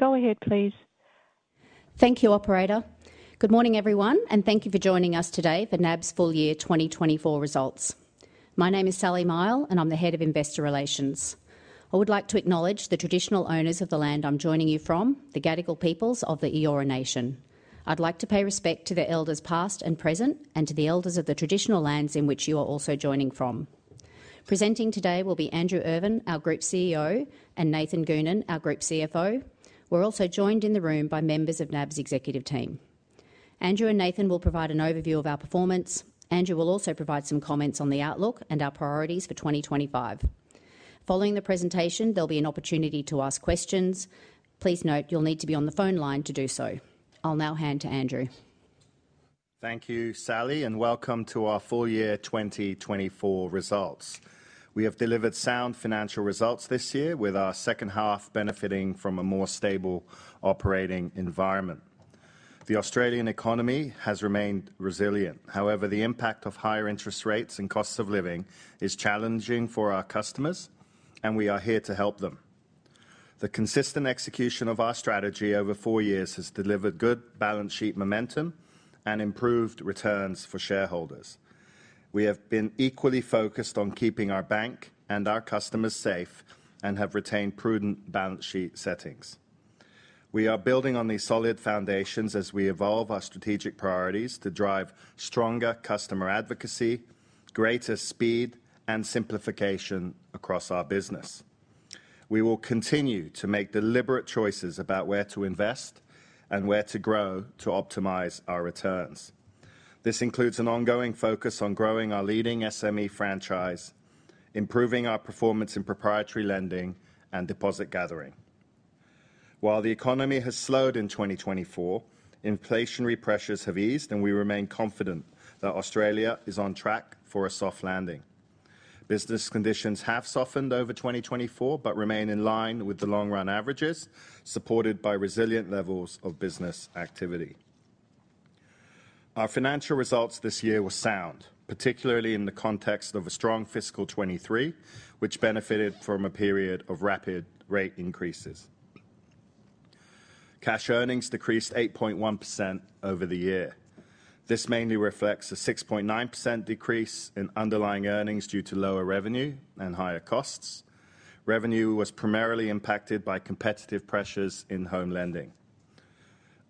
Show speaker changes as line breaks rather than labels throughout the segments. Go ahead, please.
Thank you, Operator. Good morning, everyone, and thank you for joining us today for NAB's full year 2024 results. My name is Sally Mihell, and I'm the Head of Investor Relations. I would like to acknowledge the traditional owners of the land I'm joining you from, the Gadigal peoples of the Eora Nation. I'd like to pay respect to their elders past and present, and to the elders of the traditional lands in which you are also joining from. Presenting today will be Andrew Irvine, our Group CEO, and Nathan Goonan, our Group CFO. We're also joined in the room by members of NAB's executive team. Andrew and Nathan will provide an overview of our performance. Andrew will also provide some comments on the outlook and our priorities for 2025. Following the presentation, there'll be an opportunity to ask questions. Please note you'll need to be on the phone line to do so. I'll now hand to Andrew.
Thank you, Sally, and welcome to our full year 2024 results. We have delivered sound financial results this year, with our second half benefiting from a more stable operating environment. The Australian economy has remained resilient. However, the impact of higher interest rates and cost of living is challenging for our customers, and we are here to help them. The consistent execution of our strategy over four years has delivered good balance sheet momentum and improved returns for shareholders. We have been equally focused on keeping our bank and our customers safe and have retained prudent balance sheet settings. We are building on these solid foundations as we evolve our strategic priorities to drive stronger customer advocacy, greater speed, and simplification across our business. We will continue to make deliberate choices about where to invest and where to grow to optimize our returns. This includes an ongoing focus on growing our leading SME franchise, improving our performance in proprietary lending, and deposit gathering. While the economy has slowed in 2024, inflationary pressures have eased, and we remain confident that Australia is on track for a soft landing. Business conditions have softened over 2024 but remain in line with the long-run averages, supported by resilient levels of business activity. Our financial results this year were sound, particularly in the context of a strong fiscal 2023, which benefited from a period of rapid rate increases. Cash earnings decreased 8.1% over the year. This mainly reflects a 6.9% decrease in underlying earnings due to lower revenue and higher costs. Revenue was primarily impacted by competitive pressures in home lending.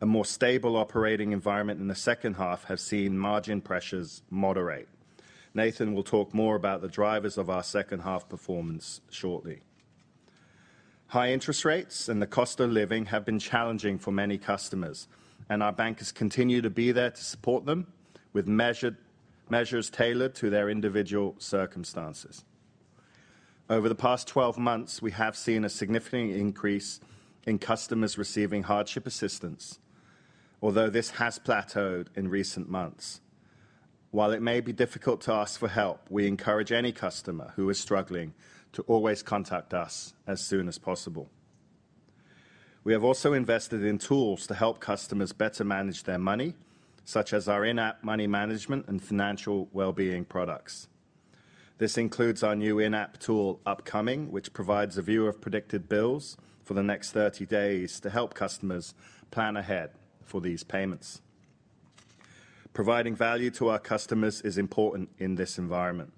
A more stable operating environment in the second half has seen margin pressures moderate. Nathan will talk more about the drivers of our second half performance shortly. High interest rates and the cost of living have been challenging for many customers, and our bankers continue to be there to support them with measures tailored to their individual circumstances. Over the past 12 months, we have seen a significant increase in customers receiving hardship assistance, although this has plateaued in recent months. While it may be difficult to ask for help, we encourage any customer who is struggling to always contact us as soon as possible. We have also invested in tools to help customers better manage their money, such as our in-app money management and financial well-being products. This includes our new in-app tool Upcoming, which provides a view of predicted bills for the next 30 days to help customers plan ahead for these payments. Providing value to our customers is important in this environment.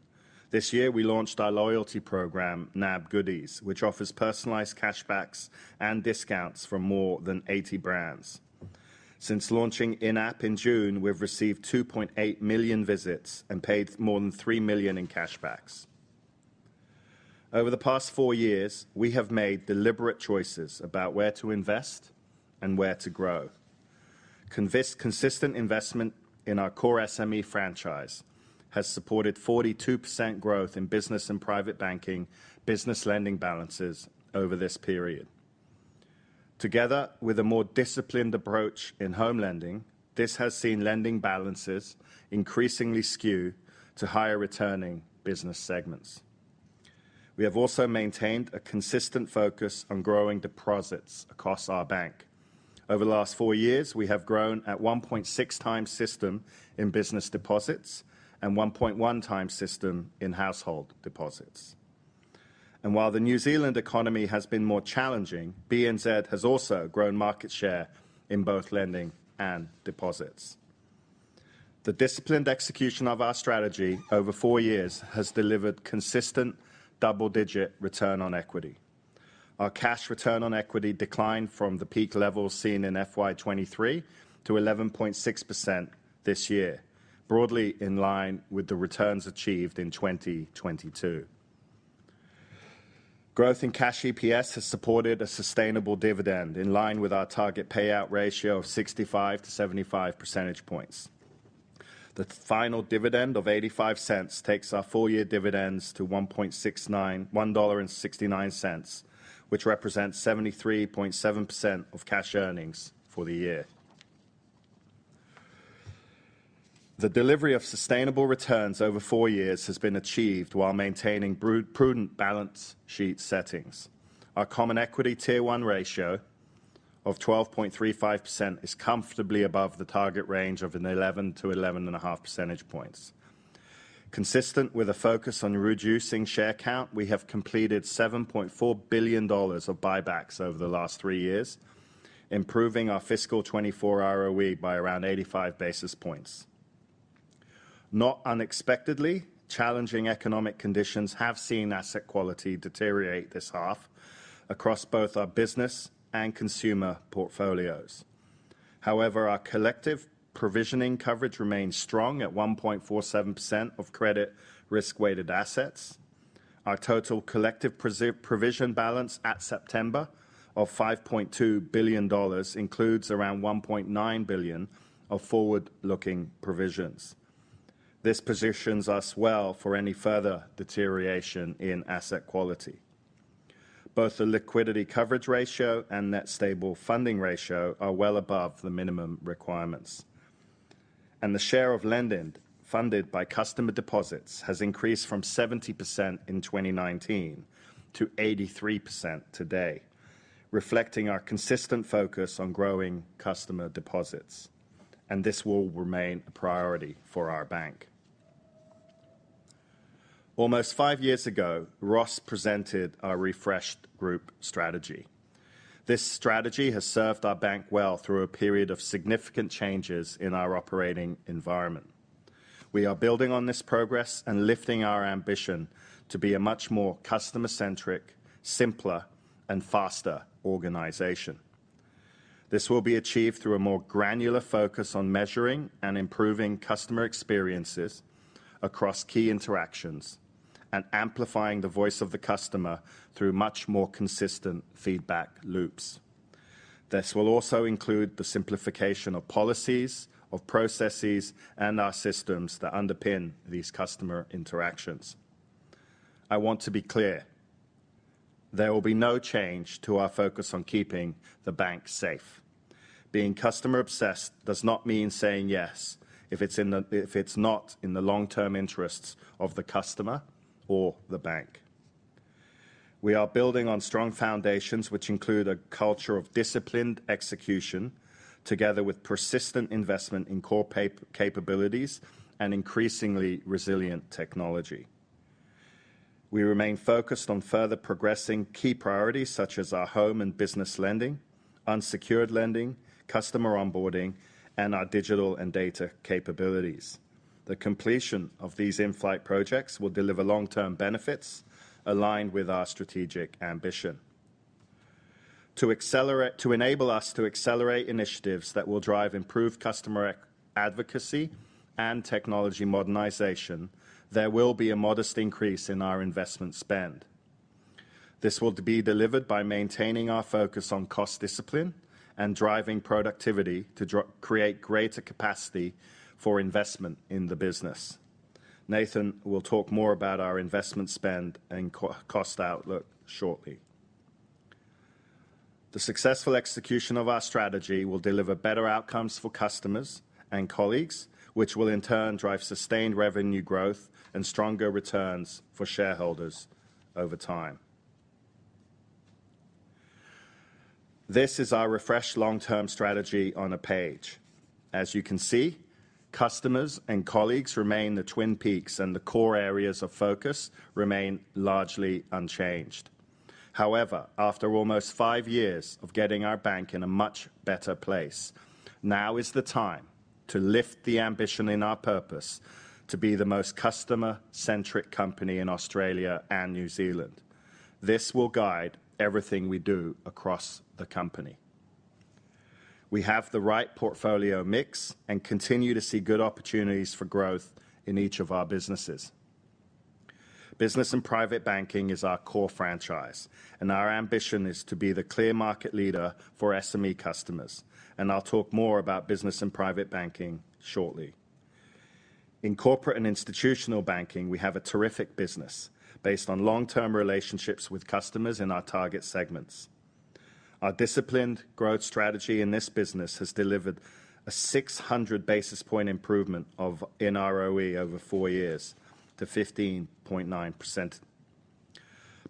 This year, we launched our loyalty program, NAB Goodies, which offers personalized cashbacks and discounts for more than 80 brands. Since launching in-app in June, we've received 2.8 million visits and paid more than 3 million in cashbacks. Over the past four years, we have made deliberate choices about where to invest and where to grow. Consistent investment in our core SME franchise has supported 42% growth in business and private banking business lending balances over this period. Together with a more disciplined approach in home lending, this has seen lending balances increasingly skew to higher returning business segments. We have also maintained a consistent focus on growing deposits across our bank. Over the last four years, we have grown at 1.6 times system in business deposits and 1.1 times system in household deposits. While the New Zealand economy has been more challenging, BNZ has also grown market share in both lending and deposits. The disciplined execution of our strategy over four years has delivered consistent double-digit return on equity. Our cash return on equity declined from the peak levels seen in FY23 to 11.6% this year, broadly in line with the returns achieved in 2022. Growth in cash EPS has supported a sustainable dividend in line with our target payout ratio of 65%-75%. The final dividend of 0.85 takes our full year dividends to 1.69 dollar, which represents 73.7% of cash earnings for the year. The delivery of sustainable returns over four years has been achieved while maintaining prudent balance sheet settings. Our Common Equity Tier 1 ratio of 12.35% is comfortably above the target range of 11%-11.5%. Consistent with a focus on reducing share count, we have completed 7.4 billion dollars of buybacks over the last three years, improving our fiscal 2024 ROE by around 85 basis points. Not unexpectedly, challenging economic conditions have seen asset quality deteriorate this half across both our business and consumer portfolios. However, our collective provisioning coverage remains strong at 1.47% of credit risk-weighted assets. Our total collective provision balance at September of 5.2 billion dollars includes around 1.9 billion of forward-looking provisions. This positions us well for any further deterioration in asset quality. Both the liquidity coverage ratio and net stable funding ratio are well above the minimum requirements, and the share of lending funded by customer deposits has increased from 70% in 2019 to 83% today, reflecting our consistent focus on growing customer deposits, and this will remain a priority for our bank. Almost five years ago, Ross presented our refreshed group strategy. This strategy has served our bank well through a period of significant changes in our operating environment. We are building on this progress and lifting our ambition to be a much more customer-centric, simpler, and faster organization. This will be achieved through a more granular focus on measuring and improving customer experiences across key interactions and amplifying the voice of the customer through much more consistent feedback loops. This will also include the simplification of policies, of processes, and our systems that underpin these customer interactions. I want to be clear. There will be no change to our focus on keeping the bank safe. Being customer-obsessed does not mean saying yes if it's not in the long-term interests of the customer or the bank. We are building on strong foundations, which include a culture of disciplined execution together with persistent investment in core capabilities and increasingly resilient technology. We remain focused on further progressing key priorities such as our home and business lending, unsecured lending, customer onboarding, and our digital and data capabilities. The completion of these in-flight projects will deliver long-term benefits aligned with our strategic ambition. To enable us to accelerate initiatives that will drive improved customer advocacy and technology modernization, there will be a modest increase in our investment spend. This will be delivered by maintaining our focus on cost discipline and driving productivity to create greater capacity for investment in the business. Nathan will talk more about our investment spend and cost outlook shortly. The successful execution of our strategy will deliver better outcomes for customers and colleagues, which will in turn drive sustained revenue growth and stronger returns for shareholders over time. This is our refreshed long-term strategy on a page. As you can see, customers and colleagues remain the twin peaks, and the core areas of focus remain largely unchanged. However, after almost five years of getting our bank in a much better place, now is the time to lift the ambition in our purpose to be the most customer-centric company in Australia and New Zealand. This will guide everything we do across the company. We have the right portfolio mix and continue to see good opportunities for growth in each of our businesses. Business and private banking is our core franchise, and our ambition is to be the clear market leader for SME customers. And I'll talk more about business and private banking shortly. In corporate and institutional banking, we have a terrific business based on long-term relationships with customers in our target segments. Our disciplined growth strategy in this business has delivered a 600 basis point improvement of ROE over four years to 15.9%.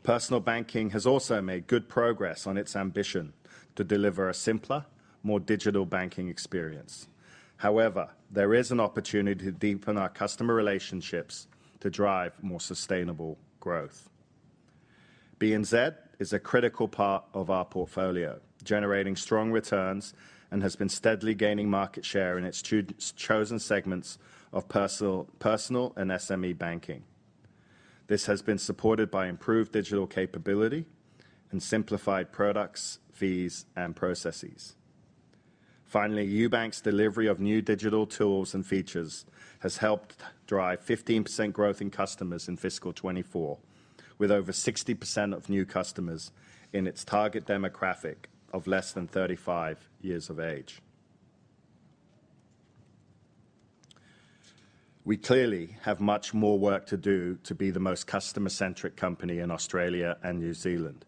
Personal banking has also made good progress on its ambition to deliver a simpler, more digital banking experience. However, there is an opportunity to deepen our customer relationships to drive more sustainable growth. BNZ is a critical part of our portfolio, generating strong returns and has been steadily gaining market share in its chosen segments of personal and SME banking. This has been supported by improved digital capability and simplified products, fees, and processes. Finally, UBank's delivery of new digital tools and features has helped drive 15% growth in customers in fiscal 2024, with over 60% of new customers in its target demographic of less than 35 years of age. We clearly have much more work to do to be the most customer-centric company in Australia and New Zealand.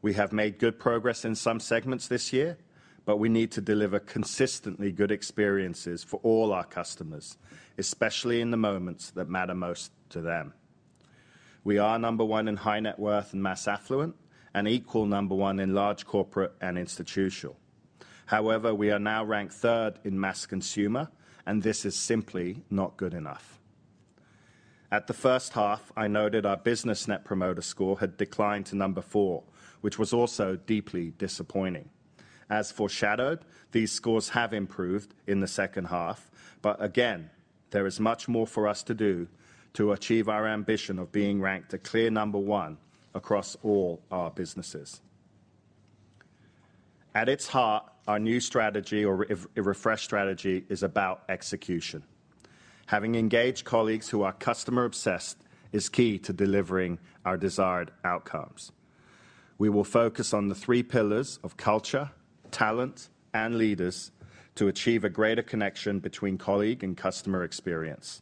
We have made good progress in some segments this year, but we need to deliver consistently good experiences for all our customers, especially in the moments that matter most to them. We are number one in high net worth and mass affluent and equal number one in large corporate and institutional. However, we are now ranked third in mass consumer, and this is simply not good enough. At the first half, I noted our business net promoter score had declined to number four, which was also deeply disappointing. As foreshadowed, these scores have improved in the second half, but again, there is much more for us to do to achieve our ambition of being ranked a clear number one across all our businesses. At its heart, our new strategy or refreshed strategy is about execution. Having engaged colleagues who are customer-obsessed is key to delivering our desired outcomes. We will focus on the three pillars of culture, talent, and leaders to achieve a greater connection between colleague and customer experience.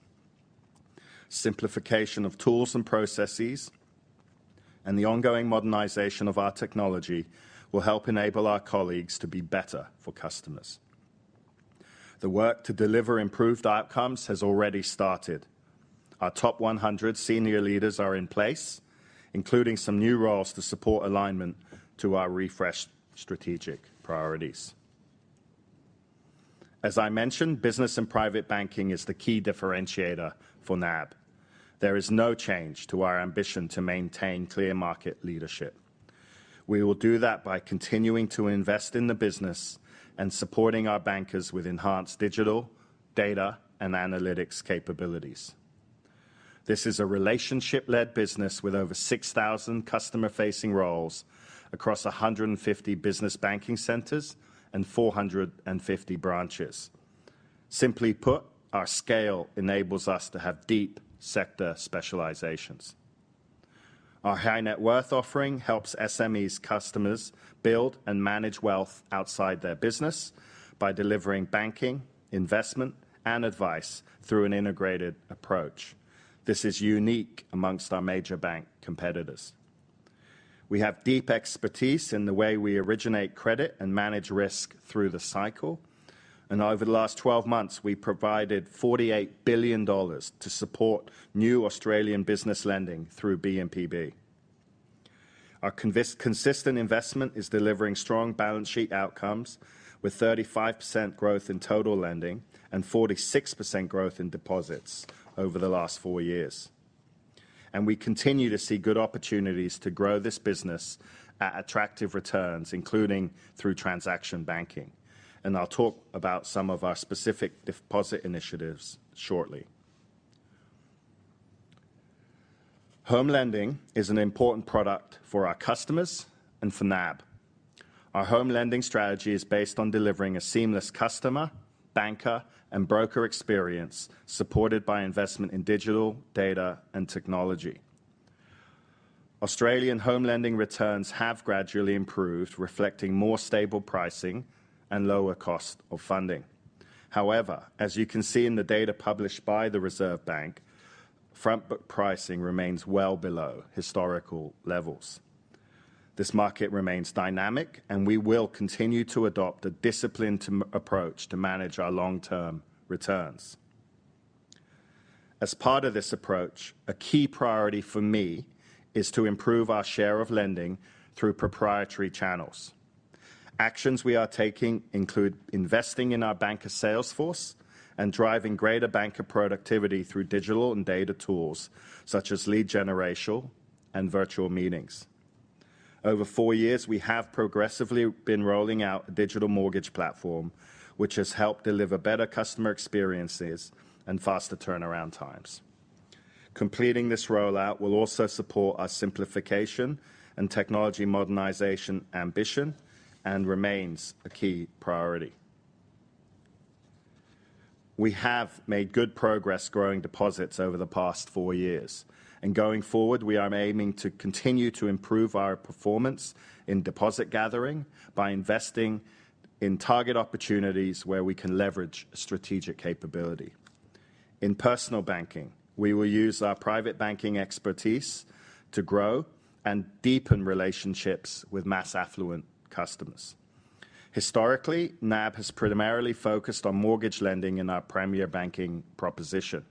Simplification of tools and processes and the ongoing modernization of our technology will help enable our colleagues to be better for customers. The work to deliver improved outcomes has already started. Our top 100 senior leaders are in place, including some new roles to support alignment to our refreshed strategic priorities. As I mentioned, business and private banking is the key differentiator for NAB. There is no change to our ambition to maintain clear market leadership. We will do that by continuing to invest in the business and supporting our bankers with enhanced digital, data, and analytics capabilities. This is a relationship-led business with over 6,000 customer-facing roles across 150 business banking centers and 450 branches. Simply put, our scale enables us to have deep sector specializations. Our high net worth offering helps SMEs' customers build and manage wealth outside their business by delivering banking, investment, and advice through an integrated approach. This is unique amongst our major bank competitors. We have deep expertise in the way we originate credit and manage risk through the cycle. And over the last 12 months, we provided 48 billion dollars to support new Australian business lending through B&PB. Our consistent investment is delivering strong balance sheet outcomes with 35% growth in total lending and 46% growth in deposits over the last four years. And we continue to see good opportunities to grow this business at attractive returns, including through transaction banking. And I'll talk about some of our specific deposit initiatives shortly. Home lending is an important product for our customers and for NAB. Our home lending strategy is based on delivering a seamless customer, banker, and broker experience supported by investment in digital, data, and technology. Australian home lending returns have gradually improved, reflecting more stable pricing and lower cost of funding. However, as you can see in the data published by the Reserve Bank, front-book pricing remains well below historical levels. This market remains dynamic, and we will continue to adopt a disciplined approach to manage our long-term returns. As part of this approach, a key priority for me is to improve our share of lending through proprietary channels. Actions we are taking include investing in our banker salesforce and driving greater banker productivity through digital and data tools such as lead generation and virtual meetings. Over four years, we have progressively been rolling out a digital mortgage platform, which has helped deliver better customer experiences and faster turnaround times. Completing this rollout will also support our simplification and technology modernization ambition and remains a key priority. We have made good progress growing deposits over the past four years, and going forward, we are aiming to continue to improve our performance in deposit gathering by investing in target opportunities where we can leverage strategic capability. In personal banking, we will use our private banking expertise to grow and deepen relationships with mass affluent customers. Historically, NAB has primarily focused on mortgage lending in our premier banking proposition.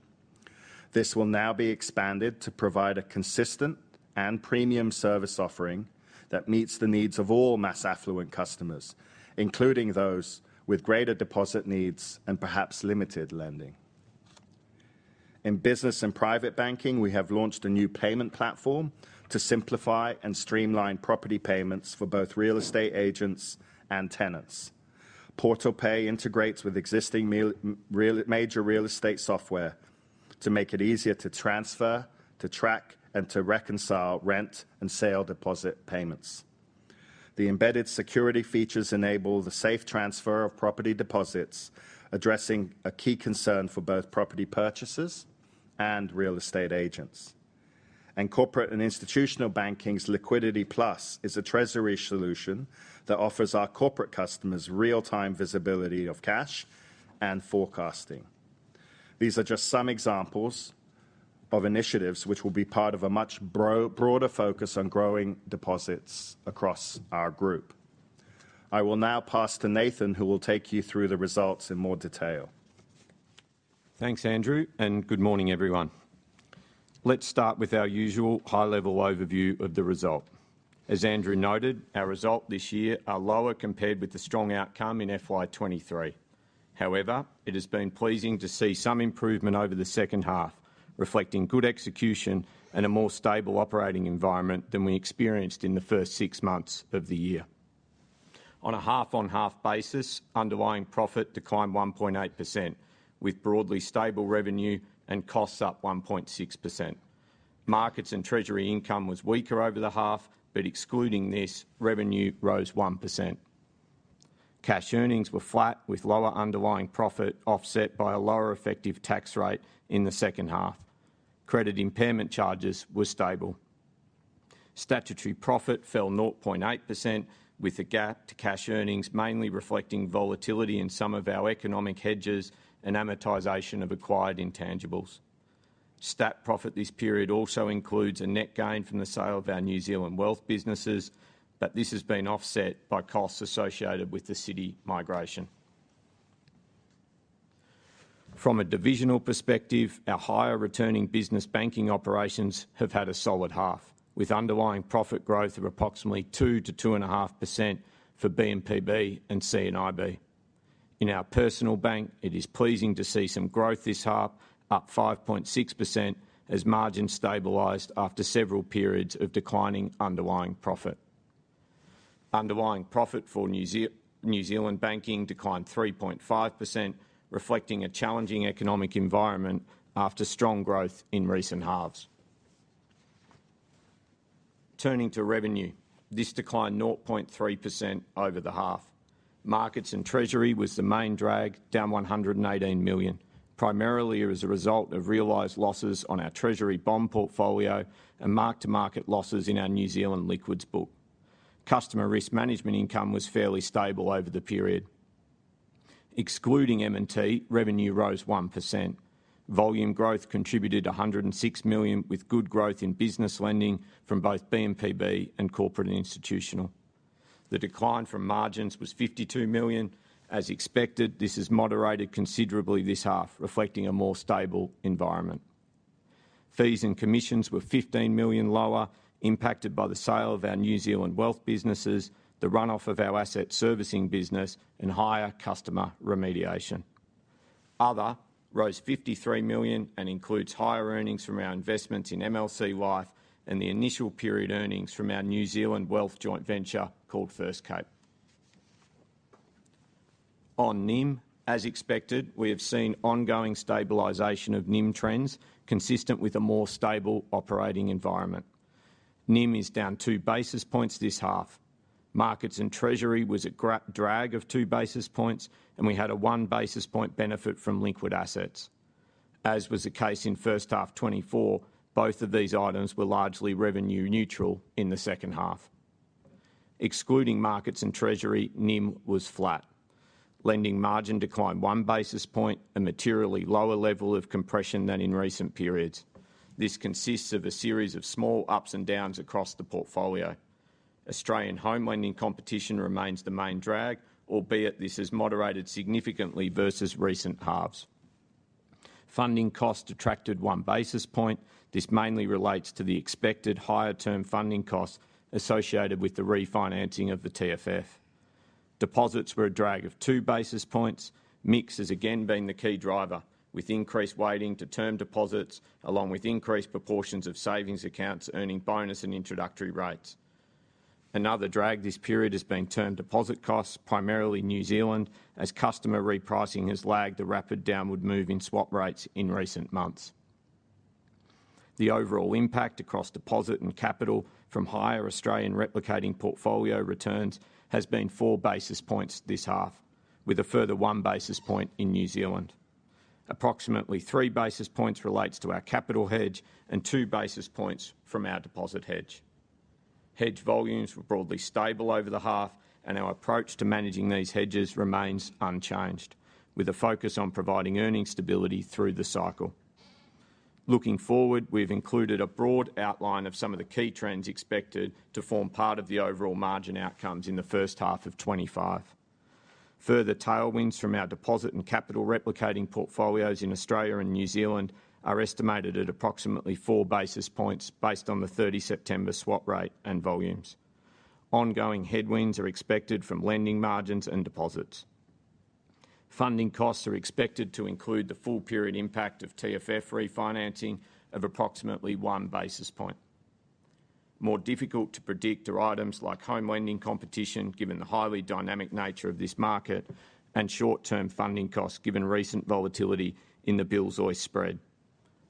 This will now be expanded to provide a consistent and premium service offering that meets the needs of all mass affluent customers, including those with greater deposit needs and perhaps limited lending. In business and private banking, we have launched a new payment platform to simplify and streamline property payments for both real estate agents and tenants. PortalPay integrates with existing major real estate software to make it easier to transfer, to track, and to reconcile rent and sale deposit payments. The embedded security features enable the safe transfer of property deposits, addressing a key concern for both property purchasers and real estate agents, and corporate and institutional banking's Liquidity Plus is a treasury solution that offers our corporate customers real-time visibility of cash and forecasting. These are just some examples of initiatives which will be part of a much broader focus on growing deposits across our group. I will now pass to Nathan, who will take you through the results in more detail.
Thanks, Andrew, and good morning, everyone. Let's start with our usual high-level overview of the result. As Andrew noted, our result this year is lower compared with the strong outcome in FY23. However, it has been pleasing to see some improvement over the second half, reflecting good execution and a more stable operating environment than we experienced in the first six months of the year. On a half-on-half basis, underlying profit declined 1.8%, with broadly stable revenue and costs up 1.6%. Markets and treasury income were weaker over the half, but excluding this, revenue rose 1%. Cash earnings were flat, with lower underlying profit offset by a lower effective tax rate in the second half. Credit impairment charges were stable. Statutory profit fell 0.8%, with a gap to cash earnings mainly reflecting volatility in some of our economic hedges and amortization of acquired intangibles. Statutory profit this period also includes a net gain from the sale of our New Zealand wealth businesses, but this has been offset by costs associated with the Citi migration. From a divisional perspective, our higher returning business banking operations have had a solid half, with underlying profit growth of approximately 2-2.5% for B&PB and C&IB. In our personal bank, it is pleasing to see some growth this half, up 5.6%, as margins stabilized after several periods of declining underlying profit. Underlying profit for New Zealand banking declined 3.5%, reflecting a challenging economic environment after strong growth in recent halves. Turning to revenue, this declined 0.3% over the half. Markets and treasury were the main drag, down 118 million, primarily as a result of realized losses on our treasury bond portfolio and mark-to-market losses in our New Zealand liquidity book. Customer risk management income was fairly stable over the period. Excluding M&T, revenue rose 1%. Volume growth contributed 106 million, with good growth in business lending from both B&PB and corporate and institutional. The decline from margins was 52 million. As expected, this has moderated considerably this half, reflecting a more stable environment. Fees and commissions were 15 million lower, impacted by the sale of our New Zealand wealth businesses, the run-off of our asset servicing business, and higher customer remediation. Other rose 53 million and includes higher earnings from our investments in MLC Life and the initial period earnings from our New Zealand wealth joint venture called FirstCape. On NIM, as expected, we have seen ongoing stabilization of NIM trends, consistent with a more stable operating environment. NIM is down two basis points this half. Markets and treasury were a drag of two basis points, and we had a one basis point benefit from liquid assets. As was the case in first half 2024, both of these items were largely revenue neutral in the second half. Excluding markets and treasury, NIM was flat. Lending margin declined one basis point, a materially lower level of compression than in recent periods. This consists of a series of small ups and downs across the portfolio. Australian home lending competition remains the main drag, albeit this has moderated significantly versus recent halves. Funding costs attracted one basis point. This mainly relates to the expected higher-term funding costs associated with the refinancing of the TFF. Deposits were a drag of two basis points. Mix has again been the key driver, with increased weighting to term deposits, along with increased proportions of savings accounts earning bonus and introductory rates. Another drag this period has been term deposit costs, primarily New Zealand, as customer repricing has lagged a rapid downward move in swap rates in recent months. The overall impact across deposit and capital from higher Australian replicating portfolio returns has been four basis points this half, with a further one basis point in New Zealand. Approximately three basis points relates to our capital hedge and two basis points from our deposit hedge. Hedge volumes were broadly stable over the half, and our approach to managing these hedges remains unchanged, with a focus on providing earnings stability through the cycle. Looking forward, we've included a broad outline of some of the key trends expected to form part of the overall margin outcomes in the first half of 2025. Further tailwinds from our deposit and capital replicating portfolios in Australia and New Zealand are estimated at approximately four basis points based on the 30 September swap rate and volumes. Ongoing headwinds are expected from lending margins and deposits. Funding costs are expected to include the full period impact of TFF refinancing of approximately one basis point. More difficult to predict are items like home lending competition, given the highly dynamic nature of this market, and short-term funding costs, given recent volatility in the Bills-OIS spread.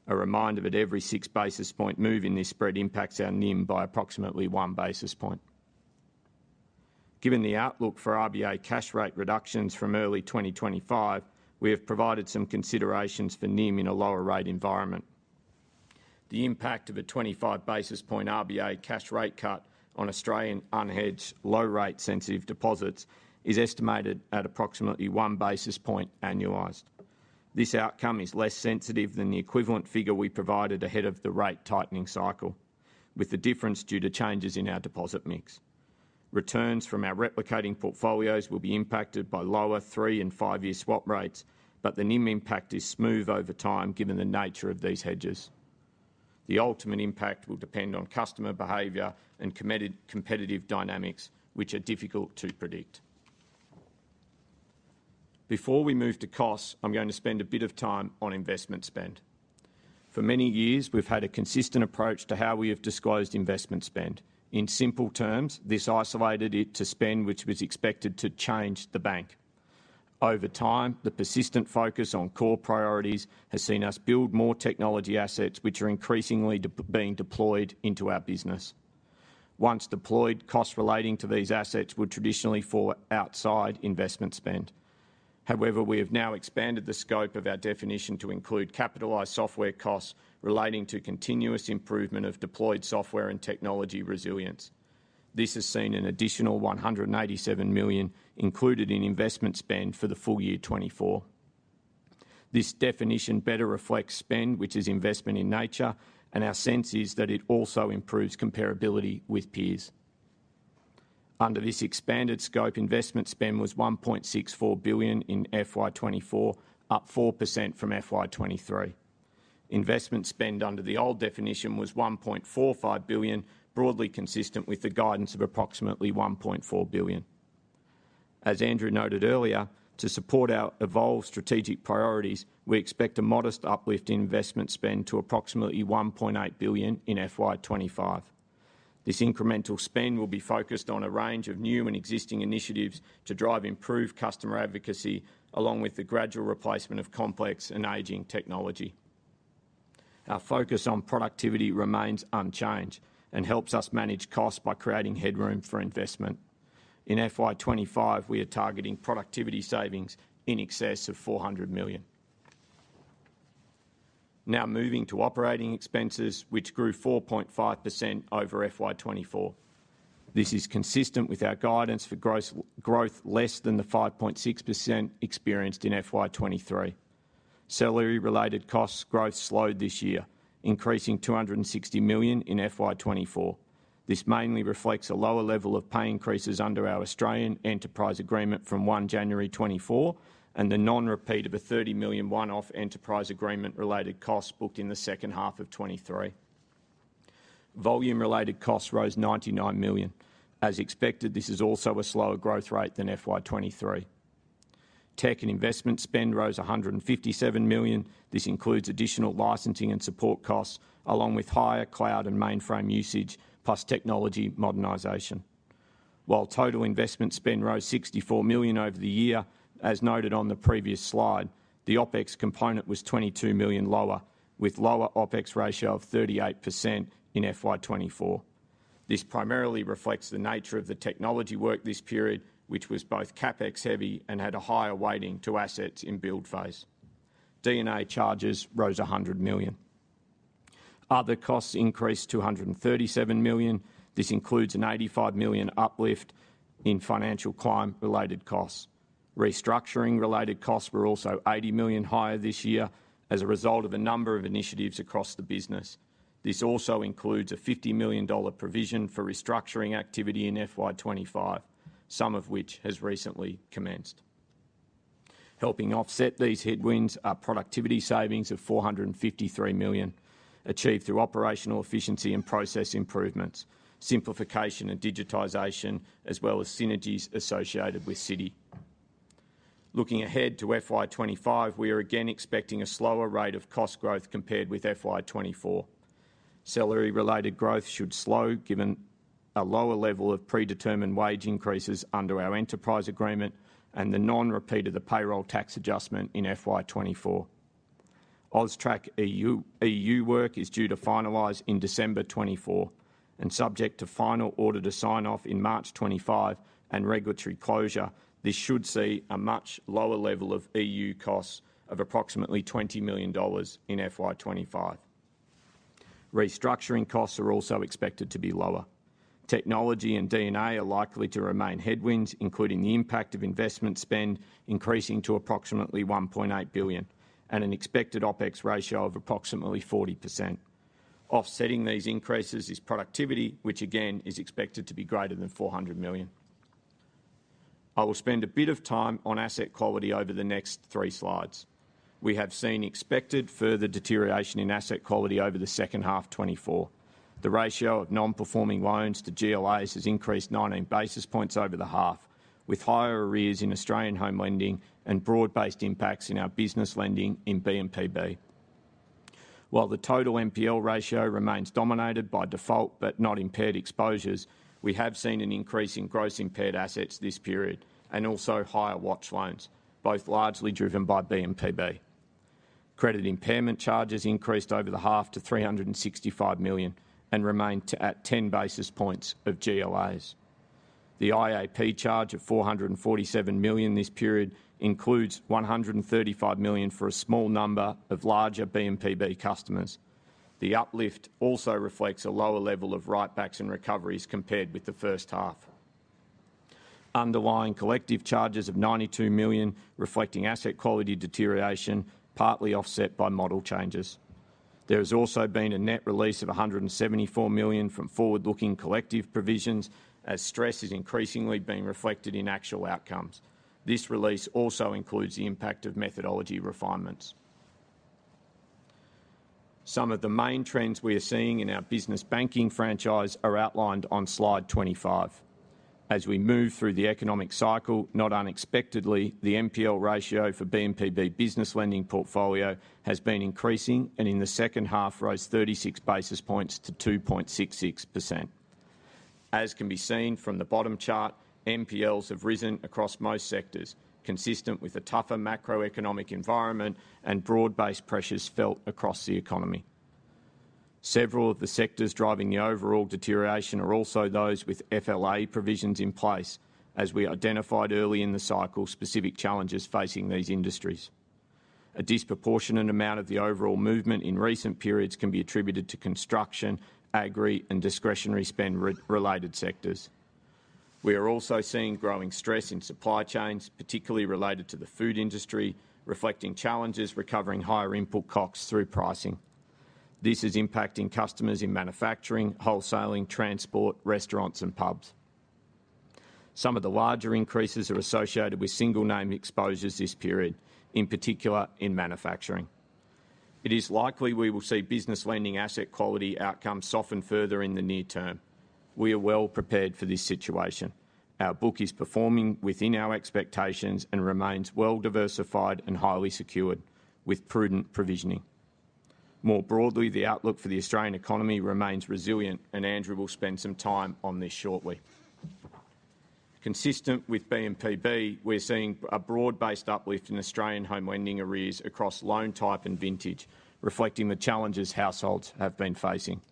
A reminder that every six basis point move in this spread impacts our NIM by approximately one basis point. Given the outlook for RBA cash rate reductions from early 2025, we have provided some considerations for NIM in a lower rate environment. The impact of a 25 basis points RBA cash rate cut on Australian unhedged, low-rate sensitive deposits is estimated at approximately one basis point annualized. This outcome is less sensitive than the equivalent figure we provided ahead of the rate tightening cycle, with the difference due to changes in our deposit mix. Returns from our replicating portfolios will be impacted by lower three and five-year swap rates, but the NIM impact is smooth over time, given the nature of these hedges. The ultimate impact will depend on customer behavior and competitive dynamics, which are difficult to predict. Before we move to costs, I'm going to spend a bit of time on investment spend. For many years, we've had a consistent approach to how we have disclosed investment spend. In simple terms, this isolated it to spend, which was expected to change the bank. Over time, the persistent focus on core priorities has seen us build more technology assets, which are increasingly being deployed into our business. Once deployed, costs relating to these assets were traditionally for outside investment spend. However, we have now expanded the scope of our definition to include capitalized software costs relating to continuous improvement of deployed software and technology resilience. This has seen an additional AUD 187 million included in investment spend for the full year 2024. This definition better reflects spend, which is investment in nature, and our sense is that it also improves comparability with peers. Under this expanded scope, investment spend was 1.64 billion in FY 2024, up 4% from FY 2023. Investment spend under the old definition was 1.45 billion, broadly consistent with the guidance of approximately 1.4 billion. As Andrew noted earlier, to support our evolved strategic priorities, we expect a modest uplift in investment spend to approximately 1.8 billion in FY25. This incremental spend will be focused on a range of new and existing initiatives to drive improved customer advocacy, along with the gradual replacement of complex and aging technology. Our focus on productivity remains unchanged and helps us manage costs by creating headroom for investment. In FY25, we are targeting productivity savings in excess of 400 million. Now moving to operating expenses, which grew 4.5% over FY24. This is consistent with our guidance for growth less than the 5.6% experienced in FY23. Salary-related costs growth slowed this year, increasing 260 million in FY24. This mainly reflects a lower level of pay increases under our Australian enterprise agreement from 1 January 2024 and the non-repeat of a 30 million one-off enterprise agreement-related costs booked in the second half of 2023. Volume-related costs rose 99 million. As expected, this is also a slower growth rate than FY23. Tech and investment spend rose 157 million. This includes additional licensing and support costs, along with higher cloud and mainframe usage, plus technology modernization. While total investment spend rose 64 million over the year, as noted on the previous slide, the OpEx component was 22 million lower, with a lower OpEx ratio of 38% in FY24. This primarily reflects the nature of the technology work this period, which was both CapEx-heavy and had a higher weighting to assets in build phase. D&A charges rose 100 million. Other costs increased 237 million. This includes an 85 million uplift in financial crime-related costs. Restructuring-related costs were also 80 million higher this year as a result of a number of initiatives across the business. This also includes a 50 million dollar provision for restructuring activity in FY25, some of which has recently commenced. Helping offset these headwinds are productivity savings of 453 million, achieved through operational efficiency and process improvements, simplification and digitization, as well as synergies associated with Citi. Looking ahead to FY25, we are again expecting a slower rate of cost growth compared with FY24. Salary-related growth should slow, given a lower level of predetermined wage increases under our enterprise agreement and the non-repeat of the payroll tax adjustment in FY24. AUSTRAC EU work is due to finalize in December 2024 and subject to final order to sign off in March 2025 and regulatory closure. This should see a much lower level of EU costs of approximately 20 million dollars in FY25. Restructuring costs are also expected to be lower. Technology and D&A are likely to remain headwinds, including the impact of investment spend increasing to approximately 1.8 billion and an expected OpEx ratio of approximately 40%. Offsetting these increases is productivity, which again is expected to be greater than 400 million. I will spend a bit of time on asset quality over the next three slides. We have seen expected further deterioration in asset quality over the second half 2024. The ratio of non-performing loans to GLAs has increased 19 basis points over the half, with higher arrears in Australian home lending and broad-based impacts in our business lending in B&PB. While the total NPL ratio remains dominated by default but not impaired exposures, we have seen an increase in gross impaired assets this period and also higher watch loans, both largely driven by B&PB. Credit impairment charges increased over the half to 365 million and remained at 10 basis points of GLAs. The IAP charge of 447 million this period includes 135 million for a small number of larger B&PB customers. The uplift also reflects a lower level of write-backs and recoveries compared with the first half. Underlying collective charges of 92 million, reflecting asset quality deterioration, partly offset by model changes. There has also been a net release of 174 million from forward-looking collective provisions, as stress is increasingly being reflected in actual outcomes. This release also includes the impact of methodology refinements. Some of the main trends we are seeing in our business banking franchise are outlined on slide 25. As we move through the economic cycle, not unexpectedly, the NPL ratio for BPB business lending portfolio has been increasing and in the second half rose 36 basis points to 2.66%. As can be seen from the bottom chart, NPLs have risen across most sectors, consistent with a tougher macroeconomic environment and broad-based pressures felt across the economy. Several of the sectors driving the overall deterioration are also those with FLA provisions in place, as we identified early in the cycle specific challenges facing these industries. A disproportionate amount of the overall movement in recent periods can be attributed to construction, agri, and discretionary spend-related sectors. We are also seeing growing stress in supply chains, particularly related to the food industry, reflecting challenges recovering higher input costs through pricing. This is impacting customers in manufacturing, wholesaling, transport, restaurants, and pubs. Some of the larger increases are associated with single-name exposures this period, in particular in manufacturing. It is likely we will see business lending asset quality outcomes soften further in the near term. We are well prepared for this situation. Our book is performing within our expectations and remains well diversified and highly secured, with prudent provisioning. More broadly, the outlook for the Australian economy remains resilient, and Andrew will spend some time on this shortly. Consistent with B&PB, we're seeing a broad-based uplift in Australian home lending arrears across loan type and vintage, reflecting the challenges households have been facing.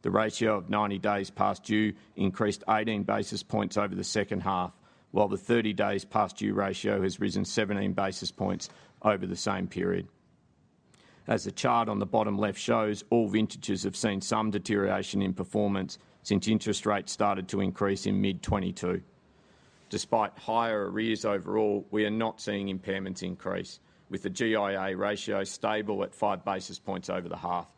The ratio of 90 days past due increased 18 basis points over the second half, while the 30 days past due ratio has risen 17 basis points over the same period. As the chart on the bottom left shows, all vintages have seen some deterioration in performance since interest rates started to increase in mid-2022. Despite higher arrears overall, we are not seeing impairments increase, with the GIA ratio stable at five basis points over the half.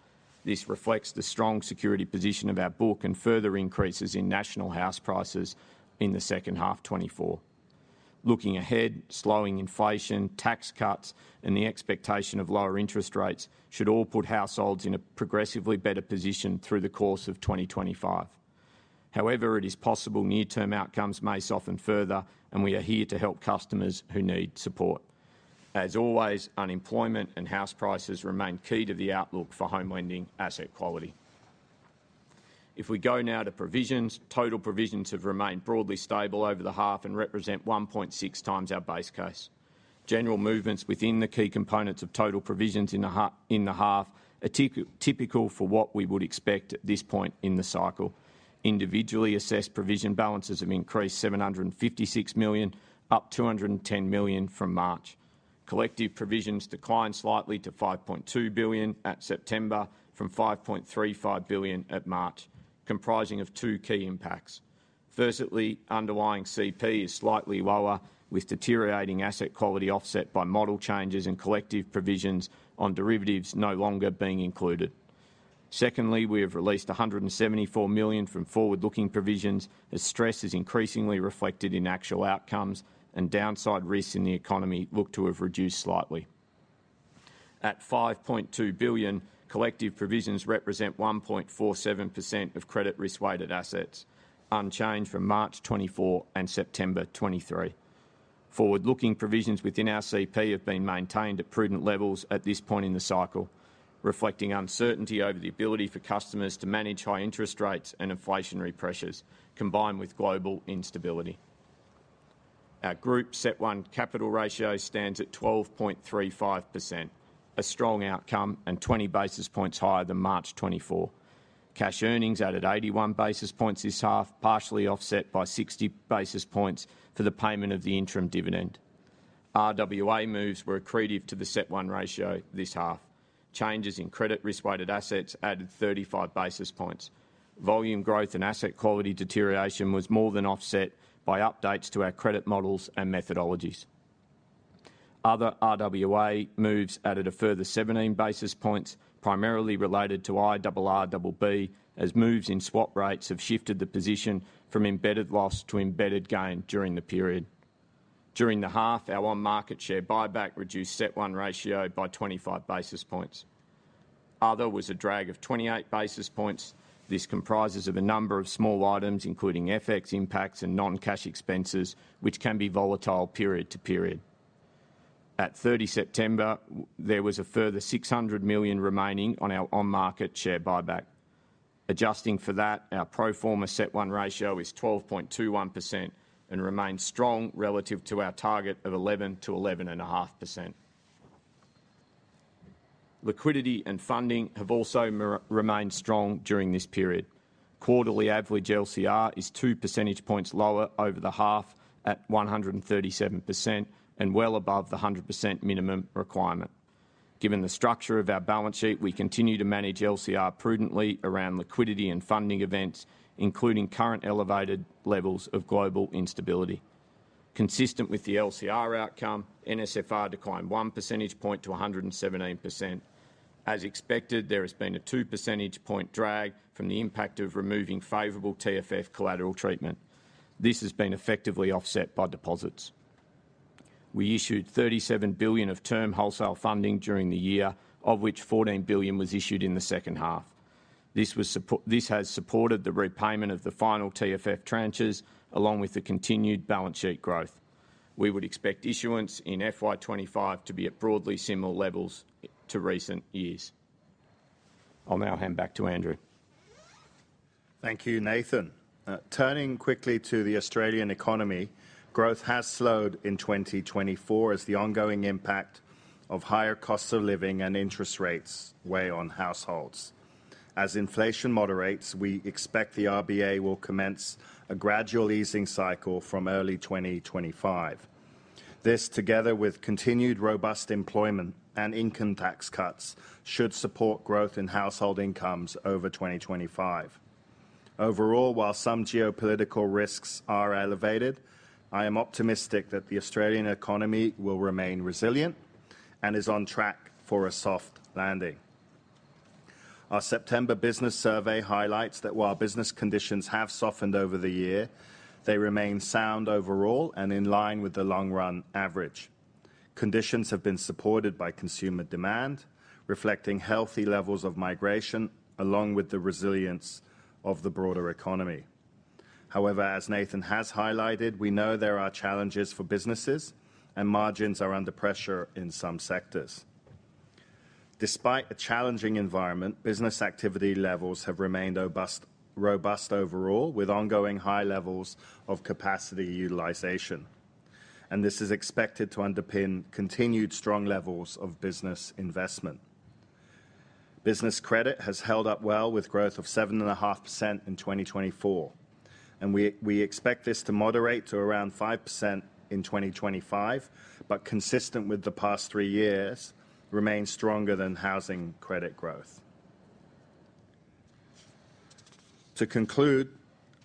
This reflects the strong security position of our book and further increases in national house prices in the second half 2024. Looking ahead, slowing inflation, tax cuts, and the expectation of lower interest rates should all put households in a progressively better position through the course of 2025. However, it is possible near-term outcomes may soften further, and we are here to help customers who need support. As always, unemployment and house prices remain key to the outlook for home lending asset quality. If we go now to provisions, total provisions have remained broadly stable over the half and represent 1.6 times our base case. General movements within the key components of total provisions in the half are typical for what we would expect at this point in the cycle. Individually assessed provision balances have increased 756 million, up 210 million from March. Collective provisions declined slightly to 5.2 billion at September from 5.35 billion at March, comprising of two key impacts. Firstly, underlying CP is slightly lower, with deteriorating asset quality offset by model changes and collective provisions on derivatives no longer being included. Secondly, we have released 174 million from forward-looking provisions, as stress is increasingly reflected in actual outcomes and downside risks in the economy look to have reduced slightly. At 5.2 billion, collective provisions represent 1.47% of credit risk-weighted assets, unchanged from March 2024 and September 2023. Forward-looking provisions within our CP have been maintained at prudent levels at this point in the cycle, reflecting uncertainty over the ability for customers to manage high interest rates and inflationary pressures, combined with global instability. Our Group CET1 Capital Ratio stands at 12.35%, a strong outcome and 20 basis points higher than March 2024. Cash earnings added 81 basis points this half, partially offset by 60 basis points for the payment of the interim dividend. RWA moves were accretive to the CET1 ratio this half. Changes in credit risk-weighted assets added 35 basis points. Volume growth and asset quality deterioration was more than offset by updates to our credit models and methodologies. Other RWA moves added a further 17 basis points, primarily related to IRRBB, as moves in swap rates have shifted the position from embedded loss to embedded gain during the period. During the half, our on-market share buyback reduced CET1 ratio by 25 basis points. Other was a drag of 28 basis points. This comprises a number of small items, including FX impacts and non-cash expenses, which can be volatile period to period. At 30 September, there was a further 600 million remaining on our on-market share buyback. Adjusting for that, our pro forma CET1 ratio is 12.21% and remains strong relative to our target of 11%-11.5%. Liquidity and funding have also remained strong during this period. Quarterly average LCR is two percentage points lower over the half at 137% and well above the 100% minimum requirement. Given the structure of our balance sheet, we continue to manage LCR prudently around liquidity and funding events, including current elevated levels of global instability. Consistent with the LCR outcome, NSFR declined one percentage point to 117%. As expected, there has been a two percentage point drag from the impact of removing favorable TFF collateral treatment. This has been effectively offset by deposits. We issued 37 billion of term wholesale funding during the year, of which 14 billion was issued in the second half. This has supported the repayment of the final TFF tranches, along with the continued balance sheet growth. We would expect issuance in FY25 to be at broadly similar levels to recent years. I'll now hand back to Andrew.
Thank you, Nathan. Turning quickly to the Australian economy, growth has slowed in 2024 as the ongoing impact of higher costs of living and interest rates weigh on households. As inflation moderates, we expect the RBA will commence a gradual easing cycle from early 2025. This, together with continued robust employment and income tax cuts, should support growth in household incomes over 2025. Overall, while some geopolitical risks are elevated, I am optimistic that the Australian economy will remain resilient and is on track for a soft landing. Our September business survey highlights that while business conditions have softened over the year, they remain sound overall and in line with the long-run average. Conditions have been supported by consumer demand, reflecting healthy levels of migration along with the resilience of the broader economy. However, as Nathan has highlighted, we know there are challenges for businesses and margins are under pressure in some sectors. Despite a challenging environment, business activity levels have remained robust overall, with ongoing high levels of capacity utilization, and this is expected to underpin continued strong levels of business investment. Business credit has held up well with growth of 7.5% in 2024, and we expect this to moderate to around 5% in 2025, but consistent with the past three years, remain stronger than housing credit growth. To conclude,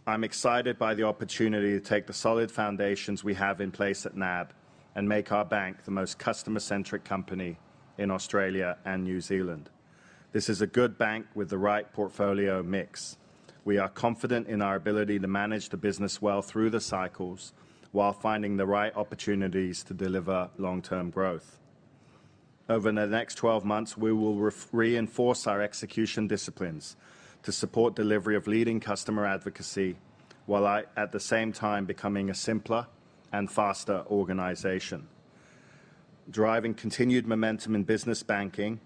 I'm excited by the opportunity to take the solid foundations we have in place at NAB and make our bank the most customer-centric company in Australia and New Zealand. This is a good bank with the right portfolio mix. We are confident in our ability to manage the business well through the cycles while finding the right opportunities to deliver long-term growth. Over the next 12 months, we will reinforce our execution disciplines to support delivery of leading customer advocacy while at the same time becoming a simpler and faster organization. Driving continued momentum in business banking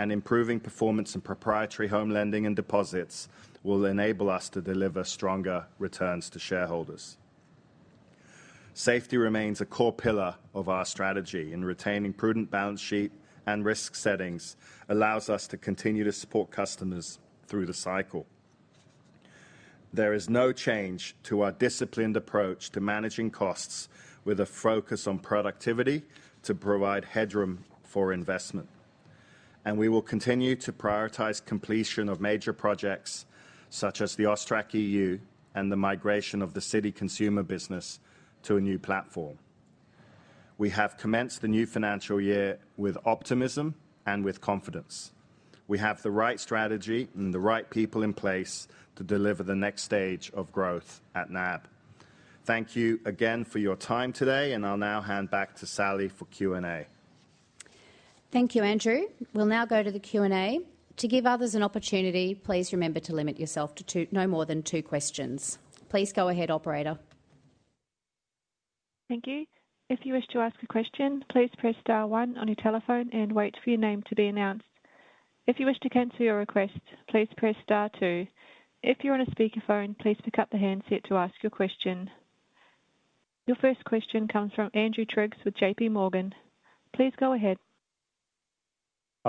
and improving performance in proprietary home lending and deposits will enable us to deliver stronger returns to shareholders. Safety remains a core pillar of our strategy in retaining prudent balance sheet and risk settings. This allows us to continue to support customers through the cycle. There is no change to our disciplined approach to managing costs with a focus on productivity to provide headroom for investment, and we will continue to prioritize completion of major projects such as the AUSTRAC EU and the migration of the Citi consumer business to a new platform. We have commenced the new financial year with optimism and with confidence. We have the right strategy and the right people in place to deliver the next stage of growth at NAB. Thank you again for your time today, and I'll now hand back to Sally for Q&A.
Thank you, Andrew. We'll now go to the Q&A. To give others an opportunity, please remember to limit yourself to no more than two questions. Please go ahead, operator.
Thank you. If you wish to ask a question, please press star one on your telephone and wait for your name to be announced. If you wish to cancel your request, please press star two. If you're on a speakerphone, please pick up the handset to ask your question. Your first question comes from Andrew Triggs with J.P. Morgan. Please go ahead.